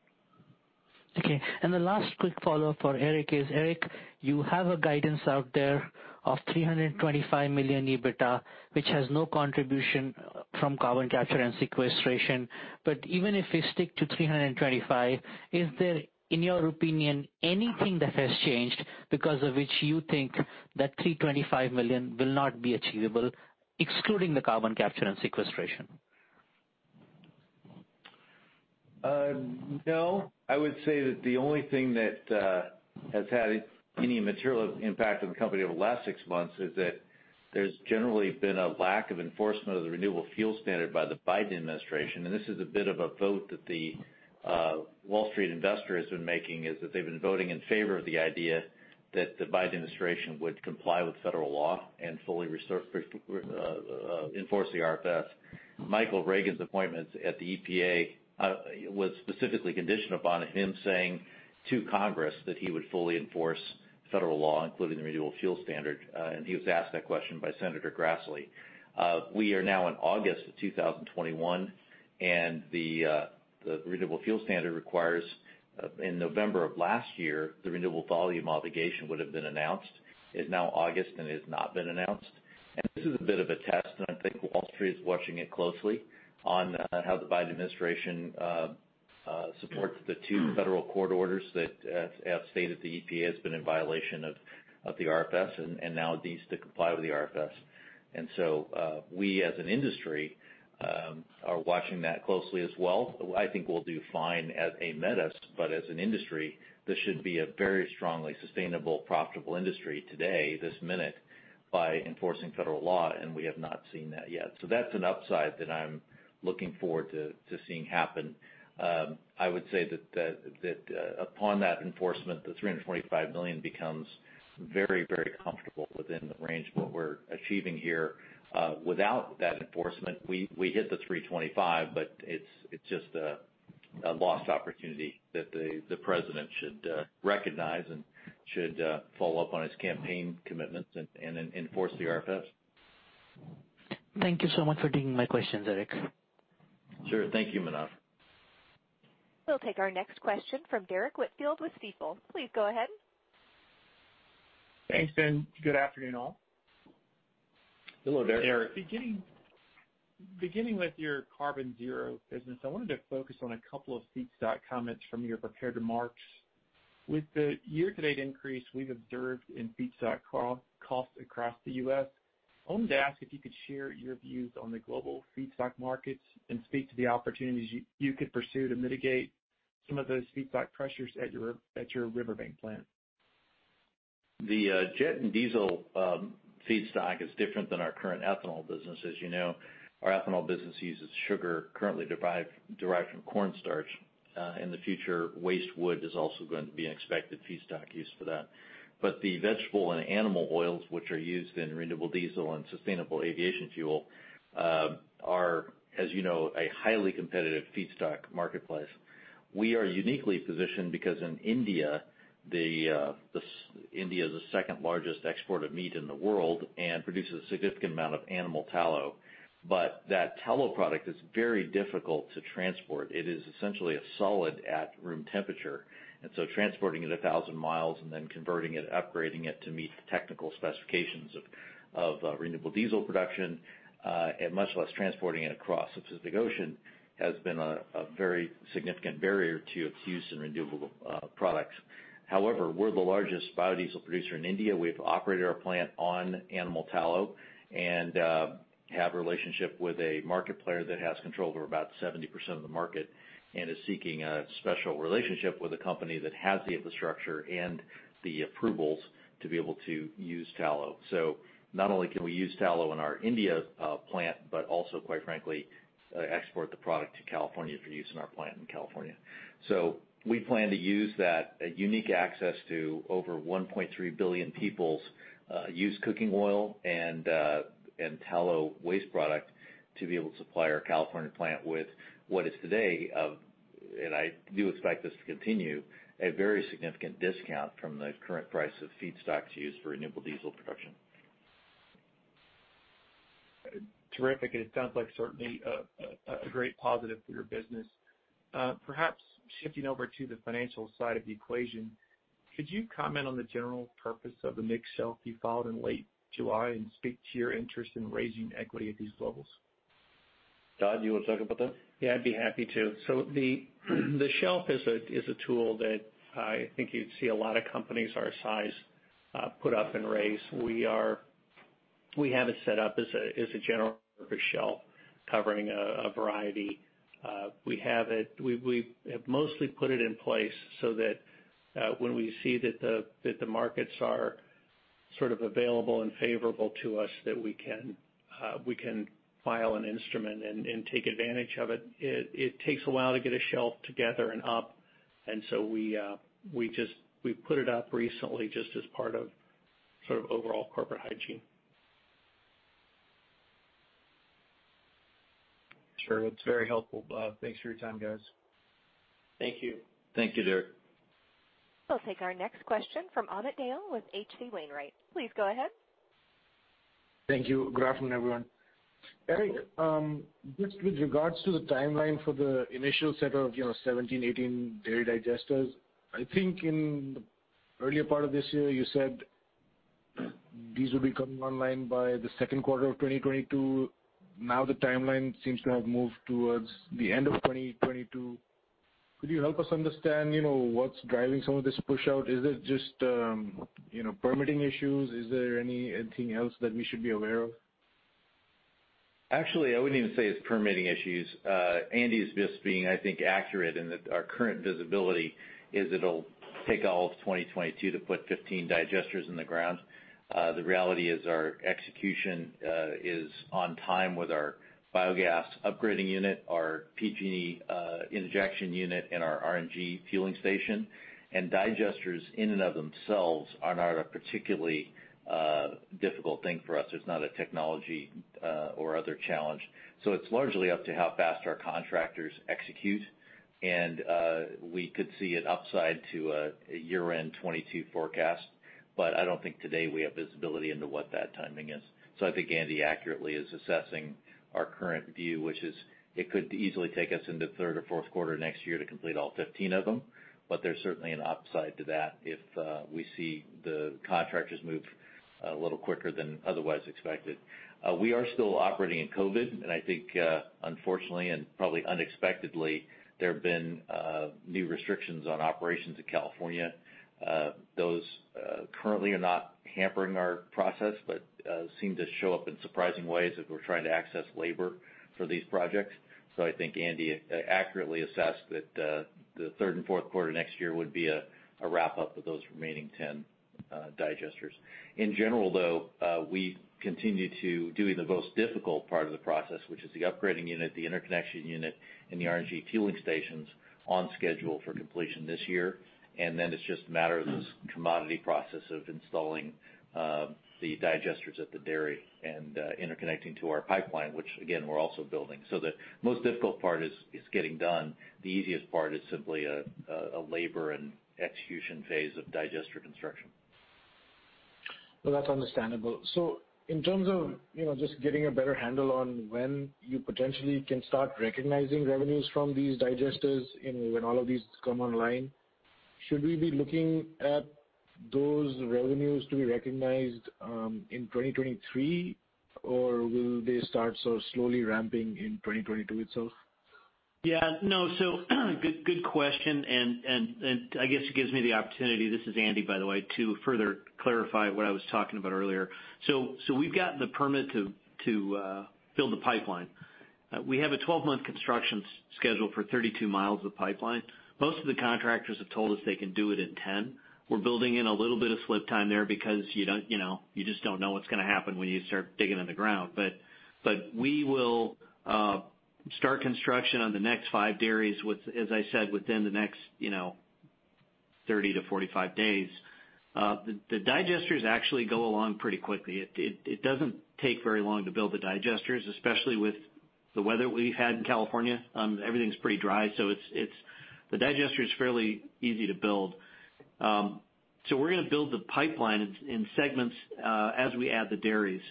Okay. The last quick follow-up for Eric is, Eric, you have a guidance out there of $325 million EBITDA, which has no contribution from carbon capture and sequestration. Even if we stick to $325 million, is there, in your opinion, anything that has changed because of which you think that $325 million will not be achievable excluding the carbon capture and sequestration? No. I would say that the only thing that has had any material impact on the company over the last six months is that there's generally been a lack of enforcement of the Federal Renewable Fuel Standard by the Biden administration. This is a bit of a vote that the Wall Street investor has been making, is that they've been voting in favor of the idea that the Biden administration would comply with federal law and fully enforce the RFS. Michael Regan's appointment at the EPA was specifically conditioned upon him saying to Congress that he would fully enforce federal law, including the Federal Renewable Fuel Standard. He was asked that question by Senator Grassley. We are now in August of 2021, the Federal Renewable Fuel Standard requires, in November of last year, the renewable volume obligation would've been announced. It's now August, it has not been announced. This is a bit of a test, and I think Wall Street is watching it closely on how the Biden administration supports the 2 federal court orders that have stated the EPA has been in violation of the RFS and now it needs to comply with the RFS. We, as an industry, are watching that closely as well. I think we'll do fine as Aemetis, but as an industry, this should be a very strongly sustainable, profitable industry today, this minute, by enforcing federal law, and we have not seen that yet. That's an upside that I'm looking forward to seeing happen. I would say that upon that enforcement, the $325 million becomes very comfortable within the range of what we're achieving here. Without that enforcement, we hit the 325. It's just a lost opportunity that the President should recognize and should follow up on his campaign commitments and enforce the RFS. Thank you so much for taking my questions, Eric. Sure. Thank you, Manav. We'll take our next question from Derrick Whitfield with Stifel. Please go ahead. Thanks. Good afternoon, all. Hello, Derrick. Eric, beginning with your Carbon Zero business, I wanted to focus on a couple of feedstock comments from your prepared remarks. With the year-to-date increase we've observed in feedstock costs across the U.S., I wanted to ask if you could share your views on the global feedstock markets and speak to the opportunities you could pursue to mitigate some of those feedstock pressures at your Riverbank plant. The jet and diesel feedstock is different than our current ethanol business. As you know, our ethanol business uses sugar currently derived from corn starch. In the future, waste wood is also going to be an expected feedstock use for that. The vegetable and animal oils, which are used in renewable diesel and sustainable aviation fuel, are, as you know, a highly competitive feedstock marketplace. We are uniquely positioned because India is the second largest exporter of meat in the world and produces a significant amount of animal tallow. That tallow product is very difficult to transport. It is essentially a solid at room temperature, and so transporting it 1,000 miles and then converting it, upgrading it to meet the technical specifications of renewable diesel production, and much less transporting it across the Pacific Ocean, has been a very significant barrier to its use in renewable products. We're the largest biodiesel producer in India. We've operated our plant on animal tallow and have a relationship with a market player that has control over about 70% of the market and is seeking a special relationship with a company that has the infrastructure and the approvals to be able to use tallow. Not only can we use tallow in our India plant, but also quite frankly, export the product to California for use in our plant in California. We plan to use that unique access to over 1.3 billion people's used cooking oil and tallow waste product to be able to supply our California plant with what is today, and I do expect this to continue, a very significant discount from the current price of feedstock to use for renewable diesel production. Terrific. It sounds like certainly a great positive for your business. Perhaps shifting over to the financial side of the equation, could you comment on the general purpose of the mixed shelf you filed in late July and speak to your interest in raising equity at these levels? Todd, you want to talk about that? Yeah, I'd be happy to. The shelf is a tool that I think you'd see a lot of companies our size put up and raise. We have it set up as a general purpose shelf covering a variety. We have mostly put it in place so that when we see that the markets are sort of available and favorable to us, that we can file an instrument and take advantage of it. It takes a while to get a shelf together and up, and so we put it up recently just as part of sort of overall corporate hygiene. Sure. That's very helpful. Thanks for your time, guys. Thank you. Thank you, Derrick. We'll take our next question from Amit Dayal with H.C. Wainwright & Co. Please go ahead. Thank you. Good afternoon, everyone. Eric, just with regards to the timeline for the initial set of 17, 18 dairy digesters, I think in the earlier part of this year, you said these would be coming online by the second quarter of 2022. Now the timeline seems to have moved towards the end of 2022. Could you help us understand what's driving some of this push out? Is it just permitting issues? Is there anything else that we should be aware of? Actually, I wouldn't even say it's permitting issues. Andy is just being, I think, accurate in that our current visibility is it'll take all of 2022 to put 15 digesters in the ground. The reality is our execution is on time with our biogas upgrading unit, our PG&E injection unit, and our RNG fueling station. Digesters in and of themselves are not a particularly difficult thing for us. It's not a technology or other challenge. It's largely up to how fast our contractors execute. We could see an upside to a year-end 2022 forecast, but I don't think today we have visibility into what that timing is. I think Andy accurately is assessing our current view, which is it could easily take us into third or fourth quarter next year to complete all 15 of them, but there's certainly an upside to that if we see the contractors move a little quicker than otherwise expected. We are still operating in COVID, and I think, unfortunately, and probably unexpectedly, there have been new restrictions on operations in California. Those currently are not hampering our process, but seem to show up in surprising ways as we're trying to access labor for these projects. I think Andy accurately assessed that the third and fourth quarter next year would be a wrap-up of those remaining 10 digesters. In general, we continue to do the most difficult part of the process, which is the upgrading unit, the interconnection unit, and the RNG fueling stations on schedule for completion this year. It's just a matter of this commodity process of installing the digesters at the dairy and interconnecting to our pipeline, which again, we're also building. The most difficult part is getting done. The easiest part is simply a labor and execution phase of digester construction. That's understandable. In terms of just getting a better handle on when you potentially can start recognizing revenues from these digesters, when all of these come online, should we be looking at those revenues to be recognized in 2023? Or will they start sort of slowly ramping in 2022 itself? Yeah. No, good question, and I guess it gives me the opportunity, this is Andy, by the way, to further clarify what I was talking about earlier. We've gotten the permit to build the pipeline. We have a 12-month construction schedule for 32 miles of pipeline. Most of the contractors have told us they can do it in 10. We're building in a little bit of slip time there because you just don't know what's going to happen when you start digging in the ground. We will start construction on the next 5 dairies with, as I said, within the next 30 to 45 days. The digesters actually go along pretty quickly. It doesn't take very long to build the digesters, especially with the weather we've had in California. Everything's pretty dry, so the digester is fairly easy to build. We're going to build the pipeline in segments as we add the dairies.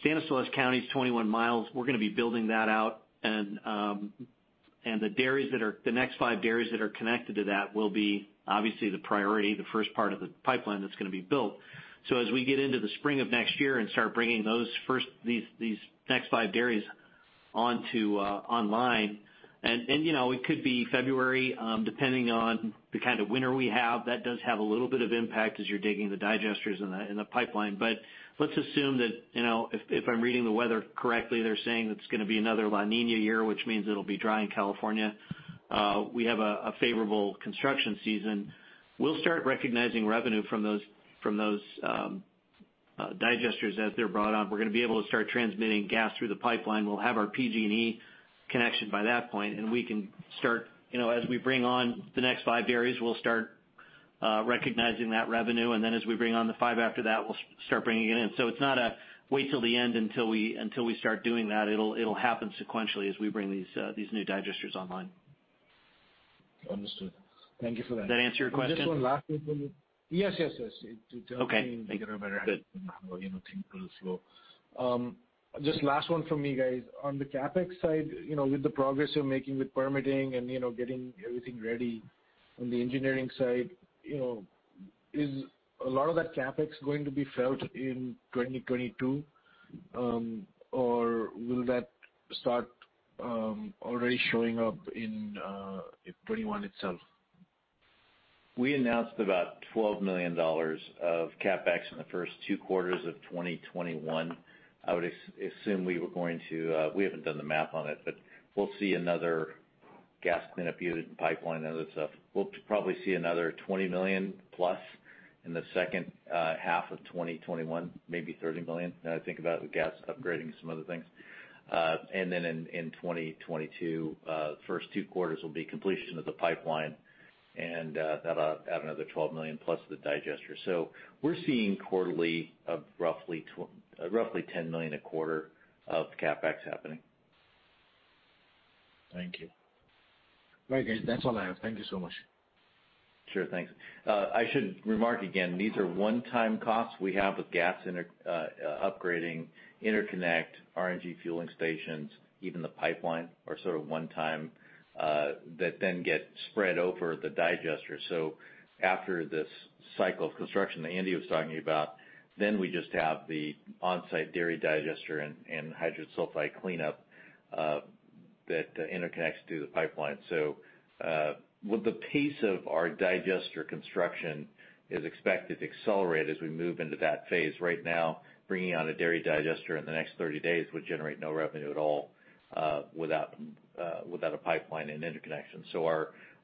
Stanislaus County is 21 miles. We're going to be building that out, and the next five dairies that are connected to that will be obviously the priority, the first part of the pipeline that's going to be built. As we get into the spring of next year and start bringing these next five dairies online, and it could be February, depending on the kind of winter we have. That does have a little bit of impact as you're digging the digesters and the pipeline. Let's assume that, if I'm reading the weather correctly, they're saying it's going to be another La Niña year, which means it'll be dry in California. We have a favorable construction season. We'll start recognizing revenue from those digesters as they're brought on. We're going to be able to start transmitting gas through the pipeline. We'll have our PG&E connection by that point. As we bring on the next 5 dairies, we'll start recognizing that revenue. As we bring on the 5 after that, we'll start bringing it in. It's not a wait till the end until we start doing that. It'll happen sequentially as we bring these new digesters online. Understood. Thank you for that. Does that answer your question? Just one last one. Yes. Okay. It does mean we get a better handle. Good Last one from me, guys. On the CapEx side, with the progress you're making with permitting and getting everything ready on the engineering side, is a lot of that CapEx going to be felt in 2022? Will that start already showing up in 2021 itself? We announced about $12 million of CapEx in the first 2 quarters of 2021. I would assume we haven't done the math on it, but we'll see another gas cleanup unit and pipeline and other stuff. We'll probably see another $20 million+ in the second half of 2021, maybe $30 million when I think about the gas upgrading and some other things. In 2022, the first 2 quarters will be completion of the pipeline, and that'll add another $12 million+ the digester. We're seeing quarterly of roughly $10 million a quarter of CapEx happening. Thank you. Right, guys, that's all I have. Thank you so much. Sure, thanks. I should remark again, these are one-time costs we have with gas upgrading, interconnect, RNG fueling stations, even the pipeline are sort of one time that then get spread over the digester. After this cycle of construction that Andy was talking about, then we just have the onsite dairy digester and hydrogen sulfide cleanup that interconnects to the pipeline. The pace of our digester construction is expected to accelerate as we move into that phase. Right now, bringing on a dairy digester in the next 30 days would generate no revenue at all without a pipeline and interconnection.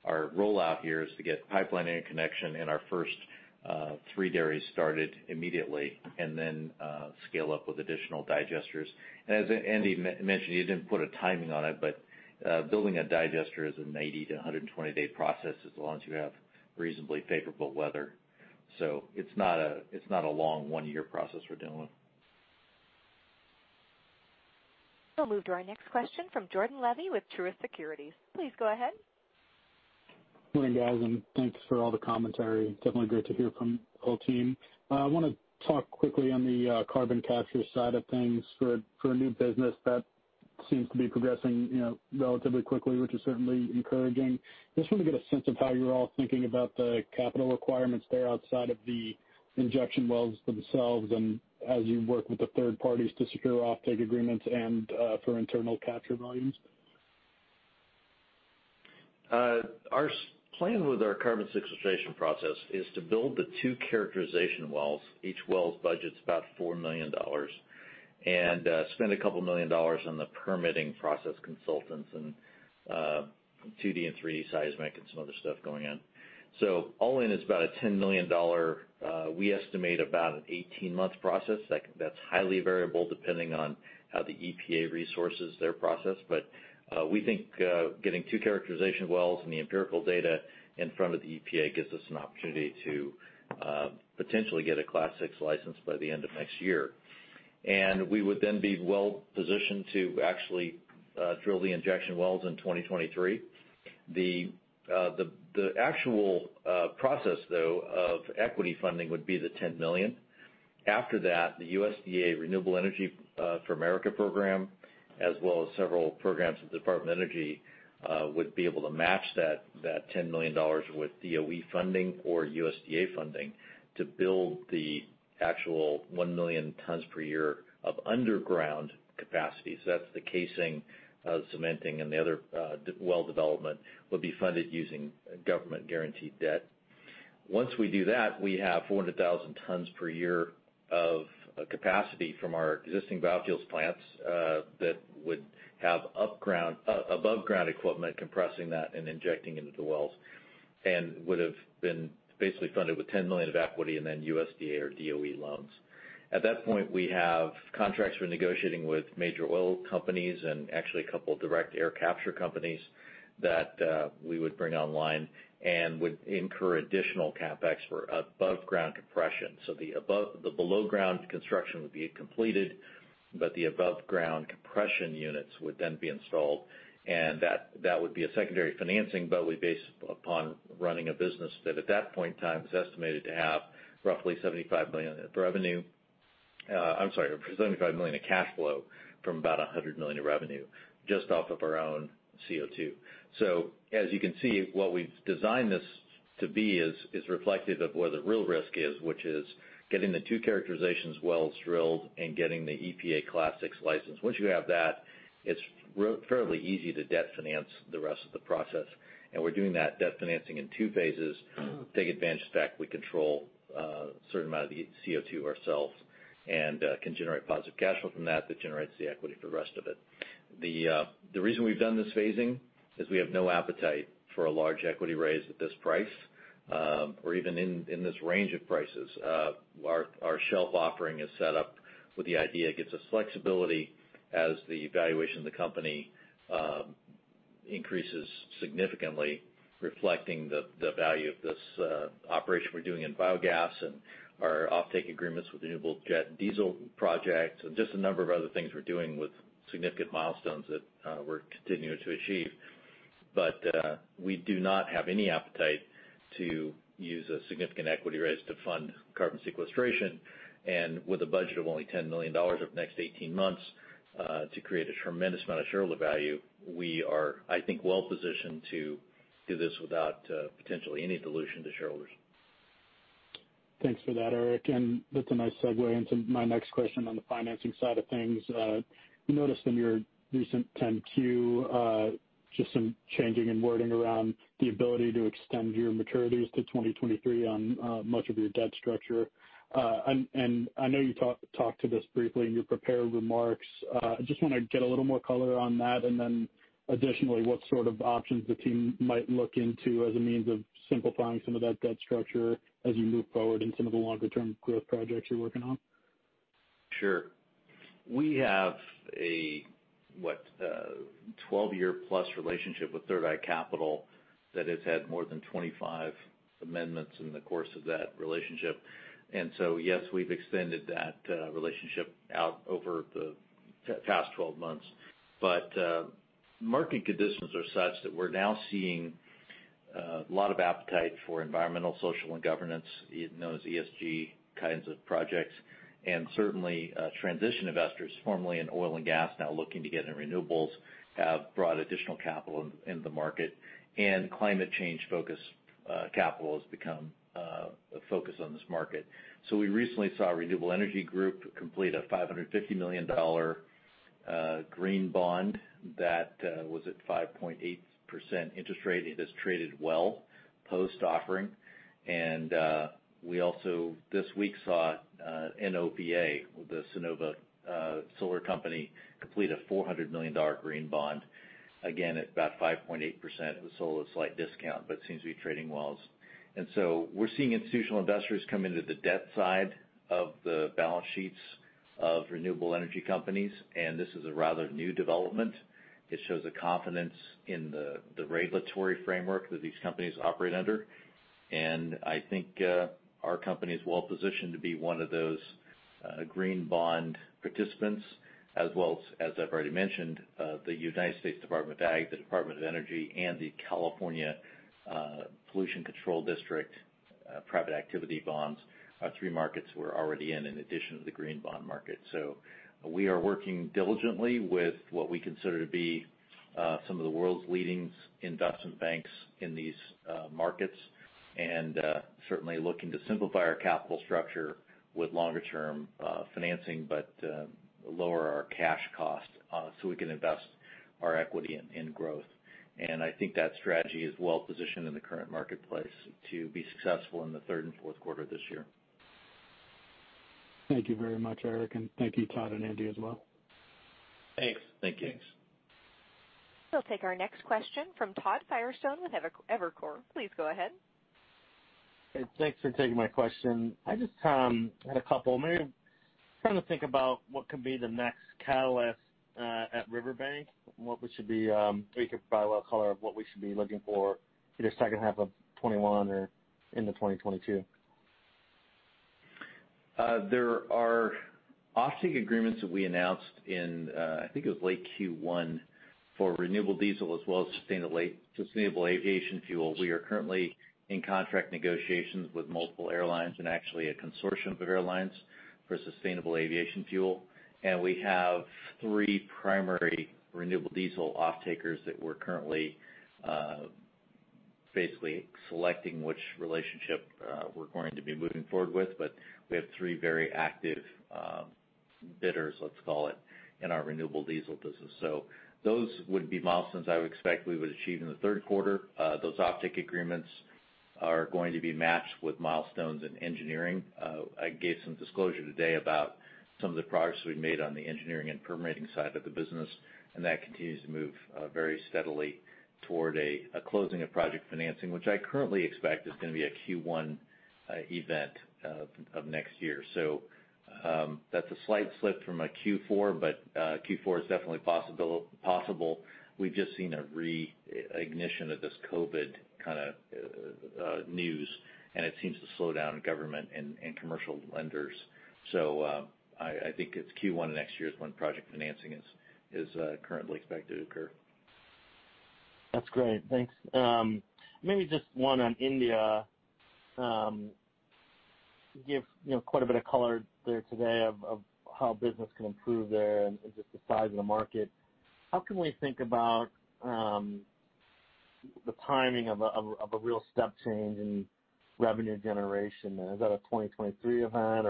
Our rollout here is to get pipeline interconnection in our first three dairies started immediately and then scale up with additional digesters. As Andy mentioned, he didn't put a timing on it, but building a digester is an 80 to 120-day process, as long as you have reasonably favorable weather. It's not a long, one-year process we're dealing with. We'll move to our next question from Jordan Levy with Truist Securities. Please go ahead. Morning, guys, and thanks for all the commentary. Definitely great to hear from the whole team. I want to talk quickly on the carbon capture side of things for a new business that seems to be progressing relatively quickly, which is certainly encouraging. I just want to get a sense of how you're all thinking about the capital requirements there outside of the injection wells themselves and as you work with the third parties to secure offtake agreements and for internal capture volumes? Our plan with our carbon sequestration process is to build the two characterization wells. Each well's budget's about $4 million. Spend about $2 million on the permitting process consultants and 2D and 3D seismic and some other stuff going in. All in, it's about $10 million, we estimate about an 18-month process. That's highly variable depending on how the EPA resources their process. We think getting two characterization wells and the empirical data in front of the EPA gives us an opportunity to potentially get a Class VI license by the end of next year. We would then be well-positioned to actually drill the injection wells in 2023. The actual process, though, of equity funding would be the $10 million. The USDA Rural Energy for America Program, as well as several programs at the Department of Energy, would be able to match that $10 million with DOE funding or USDA funding to build the actual 1 million tons per year of underground capacity. That's the casing cementing and the other well development will be funded using government-guaranteed debt. Once we do that, we have 400,000 tons per year of capacity from our existing biofuels plants that would have above ground equipment compressing that and injecting into the wells, and would've been basically funded with $10 million of equity and then USDA or DOE loans. At that point, we have contracts we're negotiating with major oil companies and actually a couple direct air capture companies that we would bring online and would incur additional CapEx for above ground compression. The below ground construction would be completed, but the above ground compression units would then be installed, and that would be a secondary financing, but would be based upon running a business that at that point in time was estimated to have roughly $75 million of revenue. I'm sorry, $75 million of cash flow from about $100 million of revenue, just off of our own CO2. As you can see, what we've designed this to be is reflective of where the real risk is, which is getting the 2 characterizations wells drilled and getting the EPA Class VI license. Once you have that, it's fairly easy to debt finance the rest of the process. We're doing that debt financing in 2 phases. Take advantage of the fact we control a certain amount of the CO2 ourselves and can generate positive cash flow from that generates the equity for the rest of it. The reason we've done this phasing is we have no appetite for a large equity raise at this price or even in this range of prices. Our shelf offering is set up with the idea it gives us flexibility as the valuation of the company increases significantly, reflecting the value of this operation we're doing in biogas and our offtake agreements with renewable jet and diesel projects, and just a number of other things we're doing with significant milestones that we're continuing to achieve. We do not have any appetite to use a significant equity raise to fund carbon sequestration. With a budget of only $10 million over the next 18 months to create a tremendous amount of shareholder value, we are, I think, well positioned to do this without potentially any dilution to shareholders. Thanks for that, Eric. That's a nice segue into my next question on the financing side of things. We noticed in your recent 10-Q just some changing in wording around the ability to extend your maturities to 2023 on much of your debt structure. I know you talked to this briefly in your prepared remarks. I just want to get a little more color on that, and then additionally, what sort of options the team might look into as a means of simplifying some of that debt structure as you move forward in some of the longer-term growth projects you're working on. Sure. We have a, what, a 12-year-plus relationship with Third Eye Capital that has had more than 25 amendments in the course of that relationship. Yes, we've extended that relationship out over the past 12 months. Market conditions are such that we're now seeing a lot of appetite for environmental, social, and governance, those ESG kinds of projects. Certainly, transition investors, formerly in oil and gas now looking to get into renewables, have brought additional capital into the market. Climate change-focused capital has become a focus on this market. We recently saw Renewable Energy Group complete a $550 million Series A green bond that was at 5.8% interest rate. It has traded well post-offering. We also this week saw NOVA, the Sunnova solar company, complete a $400 million green bond, again, at about 5.8%. It was sold at a slight discount, but seems to be trading well. We're seeing institutional investors come into the debt side of the balance sheets of renewable energy companies, and this is a rather new development. It shows a confidence in the regulatory framework that these companies operate under. I think our company's well positioned to be one of those green bond participants as well as I've already mentioned, the United States Department of Ag, the Department of Energy, and the California Pollution Control District private activity bonds are three markets we're already in addition to the green bond market. We are working diligently with what we consider to be some of the world's leading investment banks in these markets, and certainly looking to simplify our capital structure with longer-term financing, but lower our cash costs so we can invest our equity in growth. I think that strategy is well positioned in the current marketplace to be successful in the third and fourth quarter this year. Thank you very much, Eric, and thank you Todd and Andy as well. Thanks. Thanks. We'll take our next question from Todd Firestone with Evercore. Please go ahead. Hey, thanks for taking my question. I just had a couple. Maybe trying to think about what could be the next catalyst at Riverbank or you could provide a lot of color of what we should be looking for in the second half of 2021 or into 2022. There are offtake agreements that we announced in, I think it was late Q1, for renewable diesel as well as sustainable aviation fuel. Actually a consortium of airlines for sustainable aviation fuel. We are currently in contract negotiations with multiple airlines. We have three primary renewable diesel offtakers that we're currently basically selecting which relationship we're going to be moving forward with. We have three very active bidders, let's call it, in our renewable diesel business. Those would be milestones I would expect we would achieve in the third quarter. Those offtake agreements are going to be matched with milestones in engineering. I gave some disclosure today about some of the progress we've made on the engineering and permitting side of the business. That continues to move very steadily toward a closing of project financing, which I currently expect is going to be a Q1 event of next year. That's a slight slip from a Q4, but Q4 is definitely possible. We've just seen a reignition of this COVID news. It seems to slow down government and commercial lenders. I think it's Q1 of next year is when project financing is currently expected to occur. That's great. Thanks. Maybe just one on India. You gave quite a bit of color there today of how business can improve there and just the size of the market. How can we think about the timing of a real step change in revenue generation? Is that a 2023 event?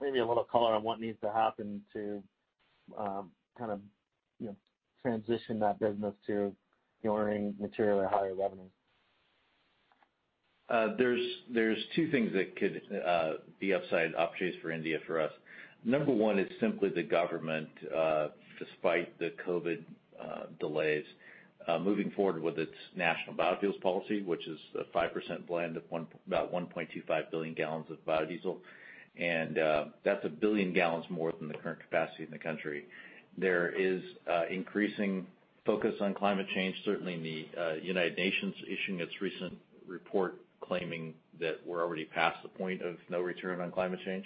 Maybe a little color on what needs to happen to transition that business to generating materially higher revenue. There's two things that could be upside opportunities for India for us. Number 1 is simply the government, despite the COVID delays, moving forward with its national biofuels policy, which is a 5% blend of about 1.25 billion gallons of biodiesel. That's 1 billion gallons more than the current capacity in the country. There is increasing focus on climate change, certainly in the United Nations issuing its recent report claiming that we're already past the point of no return on climate change.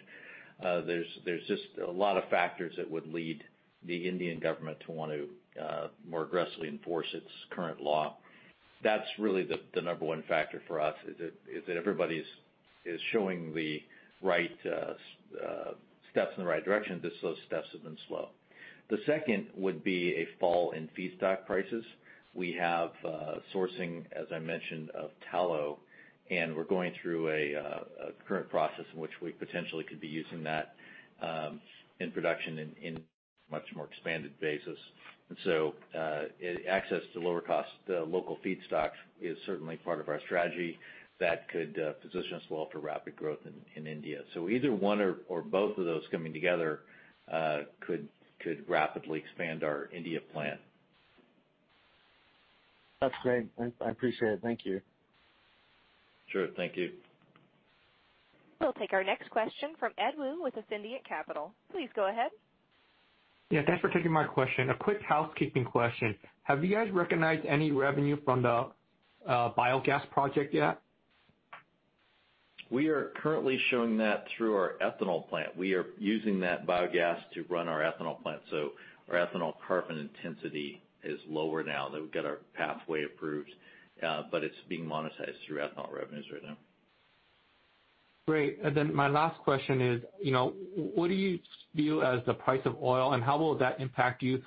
There's just a lot of factors that would lead the Indian government to want to more aggressively enforce its current law. That's really the number 1 factor for us, is that everybody's showing the right steps in the right direction, just those steps have been slow. The second would be a fall in feedstock prices. We have sourcing, as I mentioned, of tallow, We're going through a current process in which we potentially could be using that in production in much more expanded basis. Access to lower cost local feedstock is certainly part of our strategy that could position us well for rapid growth in India. Either one or both of those coming together could rapidly expand our India plant. That's great. I appreciate it. Thank you. Sure. Thank you. We'll take our next question from Ed Woo with Ascendiant Capital Markets. Please go ahead. Yeah, thanks for taking my question. A quick housekeeping question. Have you guys recognized any revenue from the biogas project yet? We are currently showing that through our ethanol plant. We are using that biogas to run our ethanol plant. Our ethanol carbon intensity is lower now that we've got our pathway approved. It's being monetized through ethanol revenues right now. Great. My last question is: what do you view as the price of oil, and how will that impact you?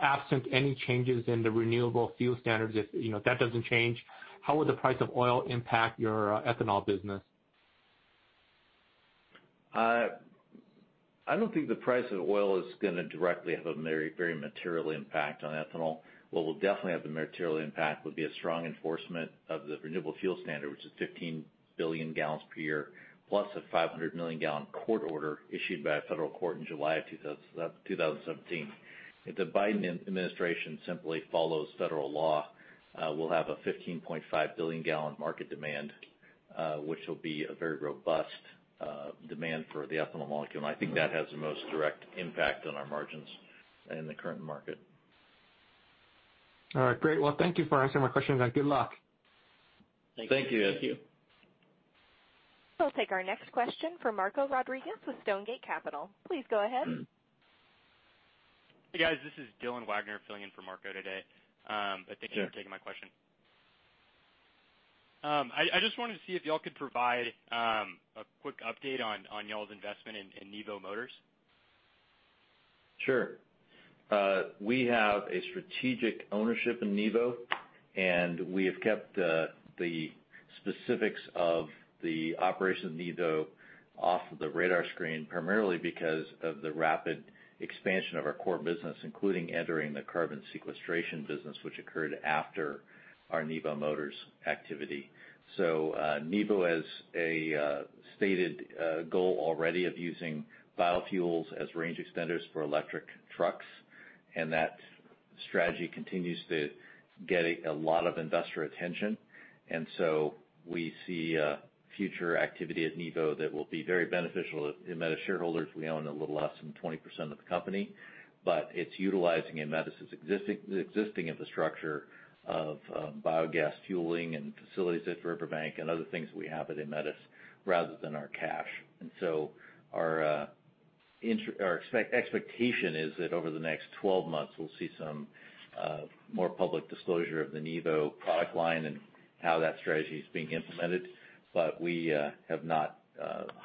Absent any changes in the renewable fuel standards, if that doesn't change, how will the price of oil impact your ethanol business? I don't think the price of oil is going to directly have a very material impact on ethanol. What will definitely have a material impact would be a strong enforcement of the Renewable Fuel Standard, which is 15 billion gallons per year, plus a 500 million gallon court order issued by a federal court in July of 2017. If the Biden administration simply follows federal law, we'll have a 15.5 billion gallon market demand, which will be a very robust demand for the ethanol molecule. I think that has the most direct impact on our margins in the current market. All right. Great. Well, thank you for answering my questions, and good luck. Thank you. Thank you. We'll take our next question from Marco Rodriguez with Stonegate Capital. Please go ahead. Hey, guys. This is Dillon Wagner filling in for Marco today. Sure. Thank you for taking my question. I just wanted to see if y'all could provide a quick update on y'all's investment in Nevo Motors. Sure. We have a strategic ownership in Nevo, and we have kept the specifics of the operation of Nevo off of the radar screen, primarily because of the rapid expansion of our core business, including entering the carbon sequestration business, which occurred after our Nevo Motors activity. Nevo has a stated goal already of using biofuels as range extenders for electric trucks, and that strategy continues to get a lot of investor attention. We see future activity at Nevo that will be very beneficial to Aemetis shareholders. We own a little less than 20% of the company. It's utilizing Aemetis' existing infrastructure of biogas fueling and facilities at Riverbank and other things that we have at Aemetis rather than our cash. Our expectation is that over the next 12 months, we'll see some more public disclosure of the Nevo product line and how that strategy is being implemented. We have not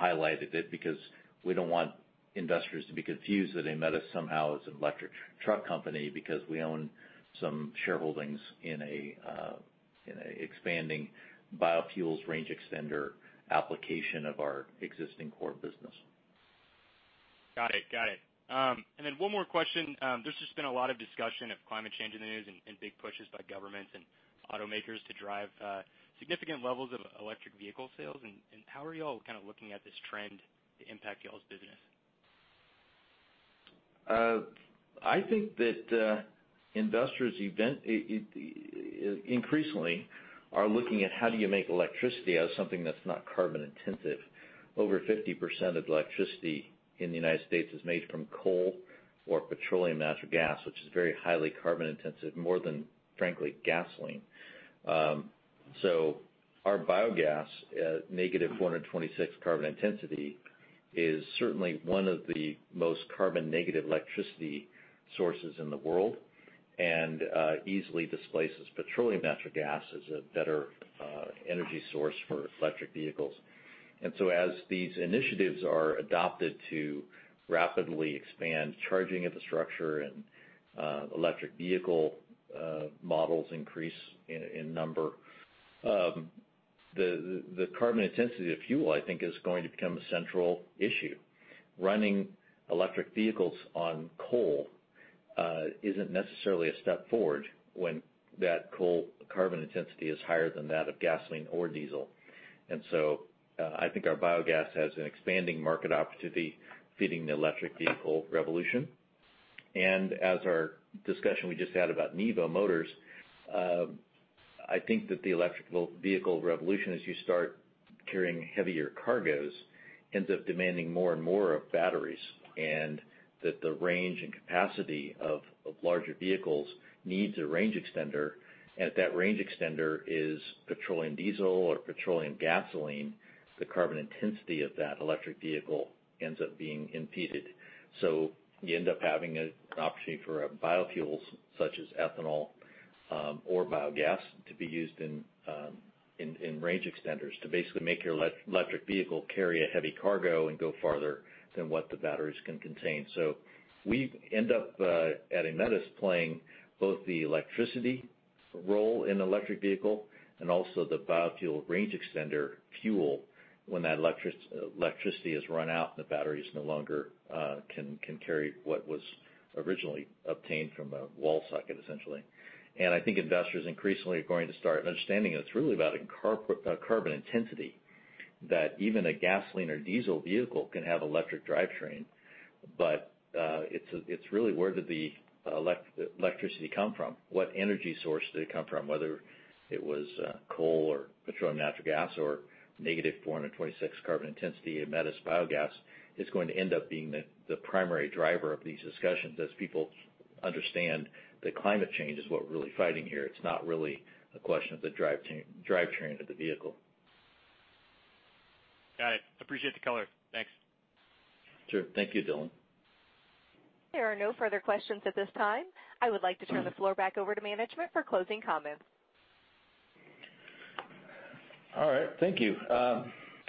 highlighted it because we don't want investors to be confused that Aemetis somehow is an electric truck company because we own some shareholdings in an expanding biofuels range extender application of our existing core business. Got it. One more question. There's just been a lot of discussion of climate change in the news and big pushes by governments and automakers to drive significant levels of electric vehicle sales. How are y'all looking at this trend to impact y'all's business? I think that investors increasingly are looking at how do you make electricity out of something that's not carbon intensive. Over 50% of electricity in the U.S. is made from coal or petroleum natural gas, which is very highly carbon intensive, more than, frankly, gasoline. Our biogas at -426 carbon intensity is certainly one of the most carbon negative electricity sources in the world, and easily displaces petroleum natural gas as a better energy source for electric vehicles. As these initiatives are adopted to rapidly expand charging infrastructure and electric vehicle models increase in number the carbon intensity of fuel, I think, is going to become a central issue. Running electric vehicles on coal isn't necessarily a step forward when that coal carbon intensity is higher than that of gasoline or diesel. I think our biogas has an expanding market opportunity feeding the electric vehicle revolution. As our discussion we just had about Nevo Motors, I think that the electric vehicle revolution, as you start carrying heavier cargoes, ends up demanding more and more of batteries, and that the range and capacity of larger vehicles needs a range extender. If that range extender is petroleum diesel or petroleum gasoline, the carbon intensity of that electric vehicle ends up being impeded. You end up having an opportunity for biofuels such as ethanol or biogas to be used in range extenders to basically make your electric vehicle carry a heavy cargo and go farther than what the batteries can contain. We end up, at Aemetis, playing both the electricity role in electric vehicle and also the biofuel range extender fuel when that electricity has run out and the batteries no longer can carry what was originally obtained from a wall socket, essentially. I think investors increasingly are going to start understanding that it's really about carbon intensity, that even a gasoline or diesel vehicle can have electric drivetrain. It's really where did the electricity come from? What energy source did it come from? Whether it was coal or petroleum natural gas or -426 carbon intensity Aemetis biogas is going to end up being the primary driver of these discussions as people understand that climate change is what we're really fighting here. It's not really a question of the drivetrain of the vehicle. Got it. Appreciate the color. Thanks. Sure. Thank you, Dillon. There are no further questions at this time. I would like to turn the floor back over to management for closing comments. All right. Thank you.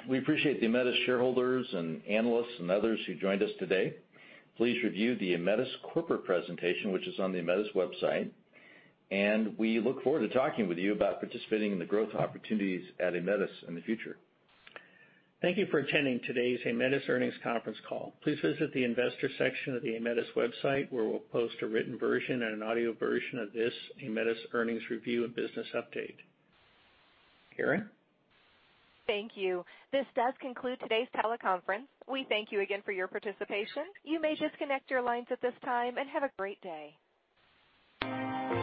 We appreciate the Aemetis shareholders and analysts and others who joined us today. Please review the Aemetis corporate presentation, which is on the Aemetis website. We look forward to talking with you about participating in the growth opportunities at Aemetis in the future. Thank you for attending today's Aemetis earnings conference call. Please visit the investor section of the Aemetis website, where we'll post a written version and an audio version of this Aemetis earnings review and business update. Karen? Thank you. This does conclude today's teleconference. We thank you again for your participation. You may disconnect your lines at this time, and have a great day.